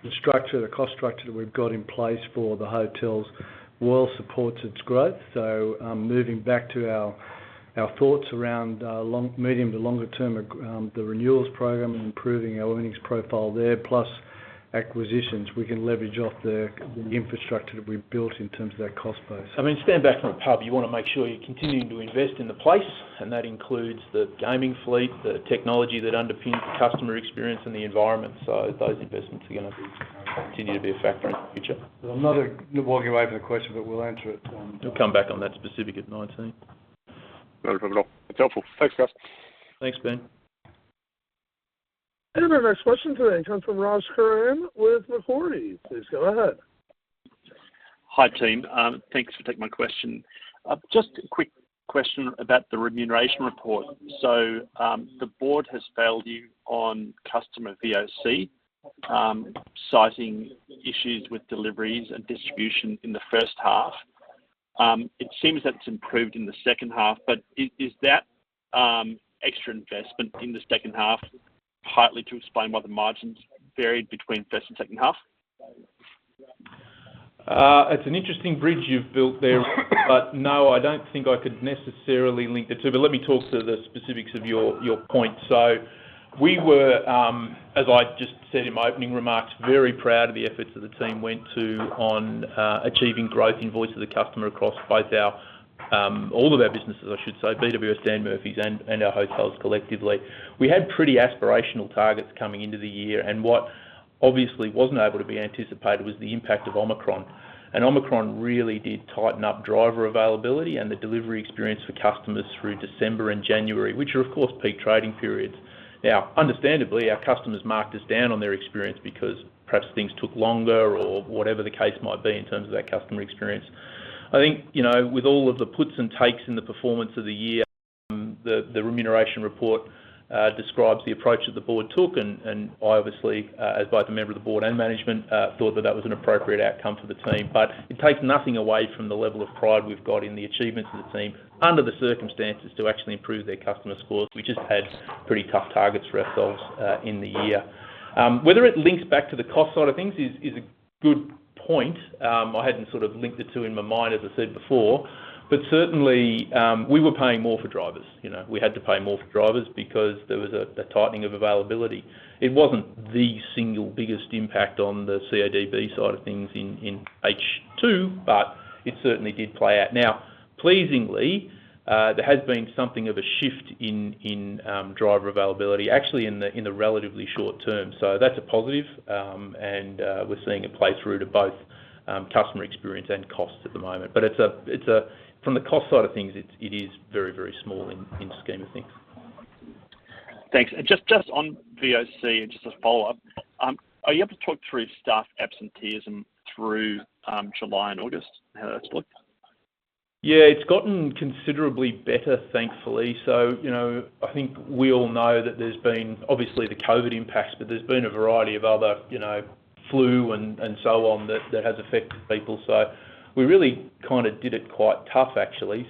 the structure, the cost structure that we've got in place for the hotels well supports its growth. Moving back to our thoughts around long, medium to longer term, the renewals program and improving our earnings profile there, plus acquisitions, we can leverage off the infrastructure that we've built in terms of that cost base. I mean, stand back from the pub. You wanna make sure you're continuing to invest in the place, and that includes the gaming fleet, the technology that underpins the customer experience and the environment. Those investments are gonna continue to be a factor in the future. I'm not gonna walk away from the question, but we'll answer it. We'll come back on that specific at F2019. No problem at all. It's helpful. Thanks, guys. Thanks, Ben. Our next question today comes from Ross Curran with Macquarie. Please go ahead. Hi, team. Thanks for taking my question. Just a quick question about the remuneration report. The board has failed you on customer VOC, citing issues with deliveries and distribution in the first half. It seems that it's improved in the second half, but is that extra investment in the second half partly to explain why the margins varied between first and second half? It's an interesting bridge you've built there. No, I don't think I could necessarily link the two. Let me talk to the specifics of your point. We were, as I just said in my opening remarks, very proud of the efforts that the team went to on achieving growth in voice of the customer across both our all of our businesses, I should say, BWS, Dan Murphy's and our hotels collectively. We had pretty aspirational targets coming into the year, and what obviously wasn't able to be anticipated was the impact of Omicron. Omicron really did tighten up driver availability and the delivery experience for customers through December and January, which are, of course, peak trading periods. Now, understandably, our customers marked us down on their experience because perhaps things took longer or whatever the case might be in terms of that customer experience. I think, you know, with all of the puts and takes in the performance of the year, the remuneration report describes the approach that the board took, and I obviously, as both a member of the board and management, thought that that was an appropriate outcome for the team. But it takes nothing away from the level of pride we've got in the achievements of the team under the circumstances to actually improve their customer scores. We just had pretty tough targets for ourselves in the year. Whether it links back to the cost side of things is a good point. I hadn't sort of linked the two in my mind, as I said before, but certainly, we were paying more for drivers. You know, we had to pay more for drivers because there was a tightening of availability. It wasn't the single biggest impact on the CODB side of things in H2, but it certainly did play out. Now, pleasingly, there has been something of a shift in driver availability, actually in the relatively short term. That's a positive. We're seeing it play through to both customer experience and costs at the moment. From the cost side of things, it is very, very small in the scheme of things. Thanks. Just on VOC and just as a follow-up, are you able to talk through staff absenteeism through July and August, how that's looked? Yeah, it's gotten considerably better, thankfully. You know, I think we all know that there's been obviously the COVID impacts, but there's been a variety of other, you know, flu and so on that has affected people. We really kinda did it quite tough actually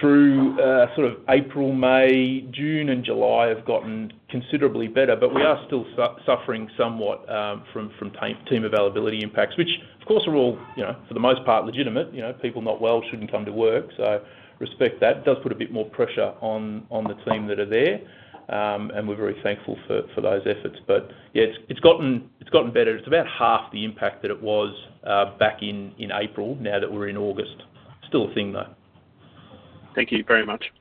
through sort of April, May. June and July have gotten considerably better. We are still suffering somewhat from team availability impacts, which of course are all, you know, for the most part legitimate. You know, people not well shouldn't come to work, so respect that. It does put a bit more pressure on the team that are there. We're very thankful for those efforts. Yeah, it's gotten better. It's about half the impact that it was back in April now that we're in August. Still a thing, though. Thank you very much.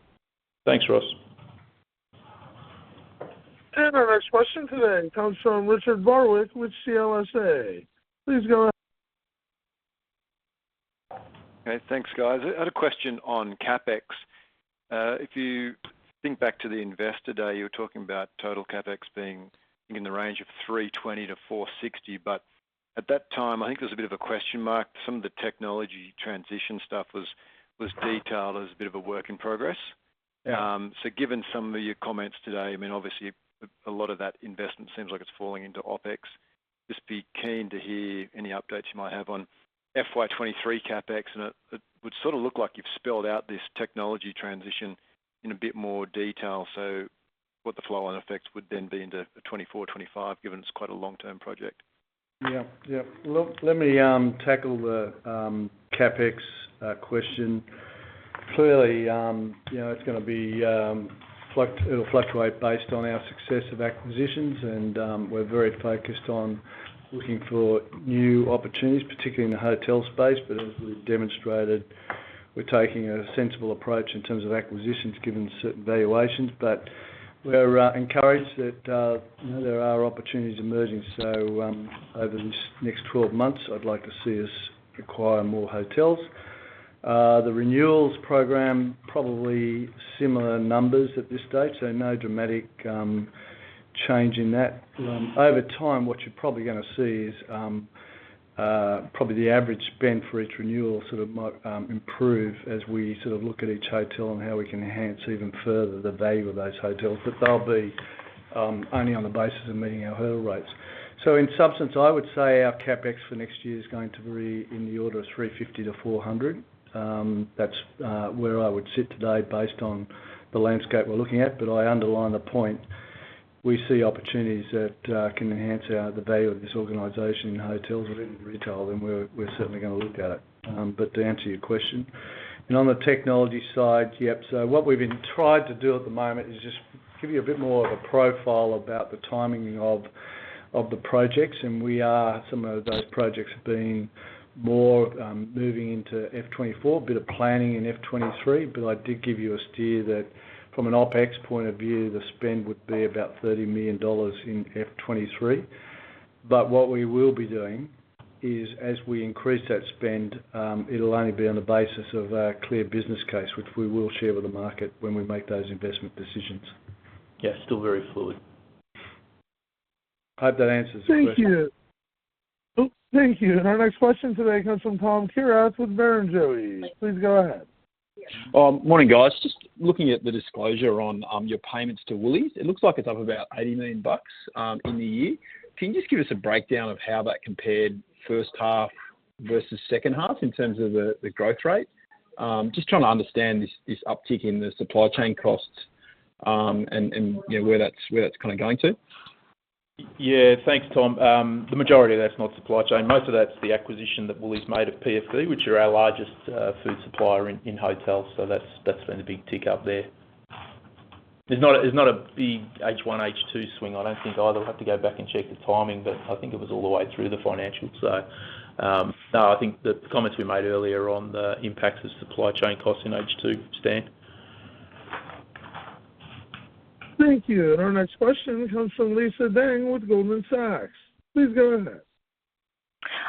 Thanks, Ross. Our next question today comes from Richard Barwick with CLSA. Please go ahead. Okay, thanks guys. I had a question on CapEx. If you think back to the Investor Day, you were talking about total CapEx being in the range of 320-460, but at that time, I think there's a bit of a question mark. Some of the technology transition stuff was detailed as a bit of a work in progress. Yeah. Given some of your comments today, I mean, obviously a lot of that investment seems like it's falling into OpEx. Just be keen to hear any updates you might have on FY 2023 CapEx, and it would sort of look like you've spelled out this technology transition in a bit more detail. What the flow on effects would then be into 2024, 2025, given it's quite a long-term project? Let me tackle the CapEx question. Clearly, you know, it's gonna be, it'll fluctuate based on our success of acquisitions, and we're very focused on looking for new opportunities, particularly in the hotel space. As we've demonstrated, we're taking a sensible approach in terms of acquisitions given certain valuations. We're encouraged that, you know, there are opportunities emerging. Over this next 12 months, I'd like to see us acquire more hotels. The renewals program, probably similar numbers at this stage, so no dramatic change in that. Over time, what you're probably gonna see is probably the average spend for each renewal sort of might improve as we sort of look at each hotel and how we can enhance even further the value of those hotels. They'll be only on the basis of meeting our hurdle rates. In substance, I would say our CapEx for next year is going to be in the order of 350-400. That's where I would sit today based on the landscape we're looking at. I underline the point, we see opportunities that can enhance the value of this organization in hotels and in retail, and we're certainly gonna look at it. To answer your question. On the technology side, yep, so what we've tried to do at the moment is just give you a bit more of a profile about the timing of the projects, and we are. Some of those projects have been more moving into F2024, a bit of planning in F2023, but I did give you a steer that from an OpEx point of view, the spend would be about 30 million dollars in F2023. What we will be doing is, as we increase that spend, it'll only be on the basis of a clear business case, which we will share with the market when we make those investment decisions. Yeah, still very fluid. Hope that answers the question. Thank you. Thank you. Our next question today comes from Tom Kierath with Barrenjoey. Please go ahead. Morning, guys. Just looking at the disclosure on your payments to Woolies. It looks like it's up about 80 million bucks in the year. Can you just give us a breakdown of how that compared first half versus second half in terms of the growth rate? Just trying to understand this uptick in the supply chain costs, and you know, where that's kinda going to. Yeah. Thanks, Tom. The majority of that's not supply chain. Most of that's the acquisition that Woolies made of PFD, which are our largest food supplier in hotels, so that's been a big tick up there. There's not a big H1, H2 swing, I don't think either. We'll have to go back and check the timing, but I think it was all the way through the financials. No, I think the comments we made earlier on the impacts of supply chain costs in H2 stand. Thank you. Our next question comes from Lisa Deng with Goldman Sachs. Please go ahead.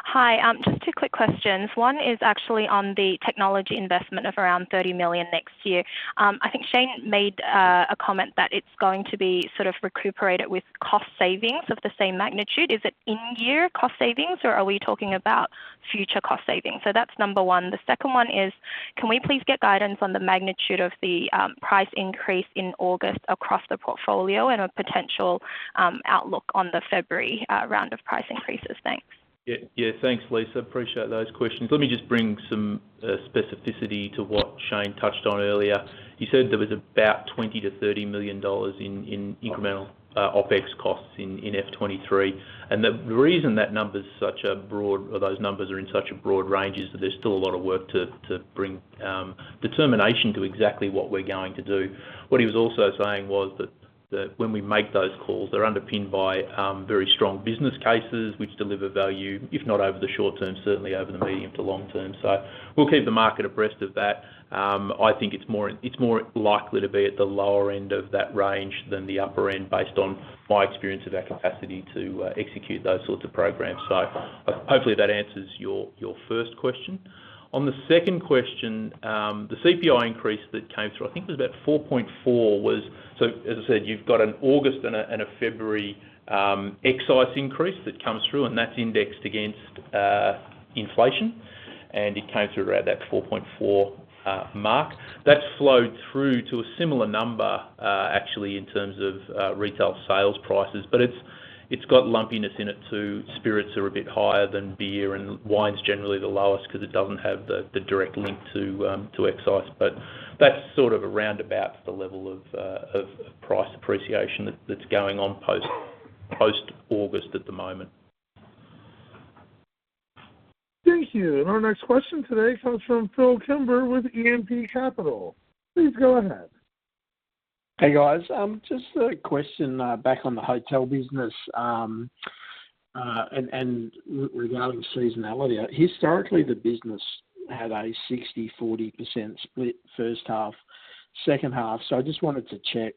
Hi. Just two quick questions. One is actually on the technology investment of around 30 million next year. I think Shane made a comment that it's going to be sort of recuperated with cost savings of the same magnitude. Is it in-year cost savings, or are we talking about future cost savings? That's number one. The second one is, can we please get guidance on the magnitude of the price increase in August across the portfolio and a potential outlook on the February round of price increases? Thanks. Yeah. Yeah. Thanks, Lisa. Appreciate those questions. Let me just bring some specificity to what Shane touched on earlier. He said there was about 20 million-30 million dollars in incremental OpEx costs in F2023. The reason that number's such a broad, or those numbers are in such a broad range is that there's still a lot of work to bring determination to exactly what we're going to do. What he was also saying was that when we make those calls, they're underpinned by very strong business cases which deliver value, if not over the short term, certainly over the medium to long term. We'll keep the market abreast of that. I think it's more likely to be at the lower end of that range than the upper end, based on my experience of our capacity to execute those sorts of programs. Hopefully that answers your first question. On the second question, the CPI increase that came through, I think it was about 4.4%. As I said, you've got an August and a February excise increase that comes through, and that's indexed against inflation, and it came through around that 4.4% mark. That flowed through to a similar number, actually, in terms of retail sales prices. It's got lumpiness in it too. Spirits are a bit higher than beer, and wine's generally the lowest 'cause it doesn't have the direct link to excise. That's sort of around about the level of price appreciation that's going on post-August at the moment. Thank you. Our next question today comes from Phillip Kimber with E&P Capital. Please go ahead. Hey, guys. Just a question back on the hotel business and regarding seasonality. Historically, the business had a 60%/40% split first half, second half, so I just wanted to check.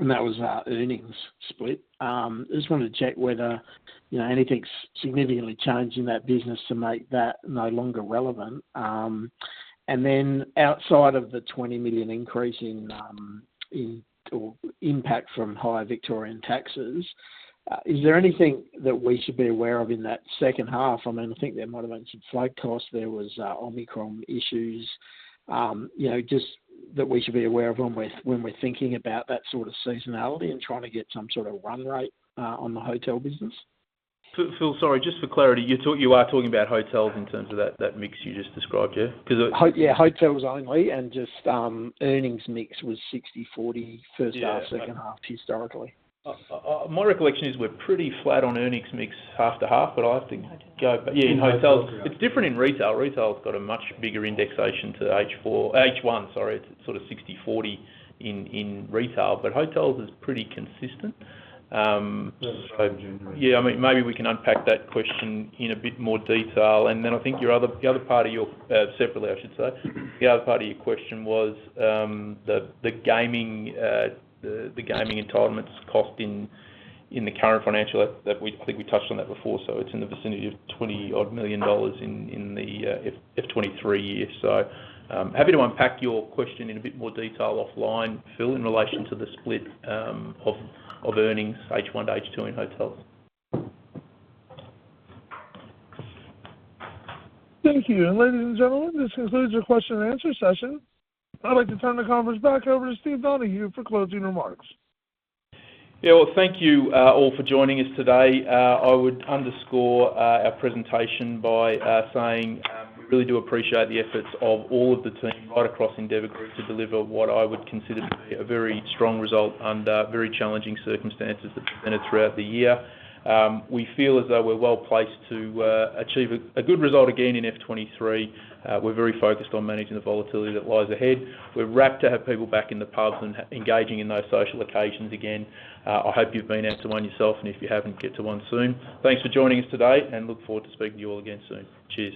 That was earnings split. I just wanted to check whether, you know, anything's significantly changed in that business to make that no longer relevant. Then outside of the 20 million increase or impact from higher Victorian taxes, is there anything that we should be aware of in that second half? I mean, I think there might've been some flight costs. There was Omicron issues, you know, just that we should be aware of when we're thinking about that sort of seasonality and trying to get some sort of run rate on the hotel business. Phil, sorry, just for clarity, you are talking about hotels in terms of that mix you just described, yeah? 'Cause it- Yeah, hotels only and just, earnings mix was 60%/40% first half, second half historically. Yeah. My recollection is we're pretty flat on earnings mix half to half, but I'll have to go back. In hotels. It's different in retail. Retail's got a much bigger indexation to H1, sorry. It's sort of 60%/40% in retail. But hotels is pretty consistent. Yeah, I mean, maybe we can unpack that question in a bit more detail. I think the other part of your question was, separately I should say, the gaming entitlements cost in the current financial. I think we touched on that before, so it's in the vicinity of 20-odd million dollars in the F2023 year. Happy to unpack your question in a bit more detail offline, Phil, in relation to the split of earnings H1 to H2 in hotels. Thank you. Ladies and gentlemen, this concludes our question and answer session. I'd like to turn the conference back over to Steve Donohue for closing remarks. Yeah. Well, thank you all for joining us today. I would underscore our presentation by saying we really do appreciate the efforts of all of the team right across Endeavour Group to deliver what I would consider to be a very strong result under very challenging circumstances that presented throughout the year. We feel as though we're well placed to achieve a good result again in F2023. We're very focused on managing the volatility that lies ahead. We're rapt to have people back in the pubs and engaging in those social occasions again. I hope you've been out to one yourself, and if you haven't, get to one soon. Thanks for joining us today and look forward to speaking to you all again soon. Cheers.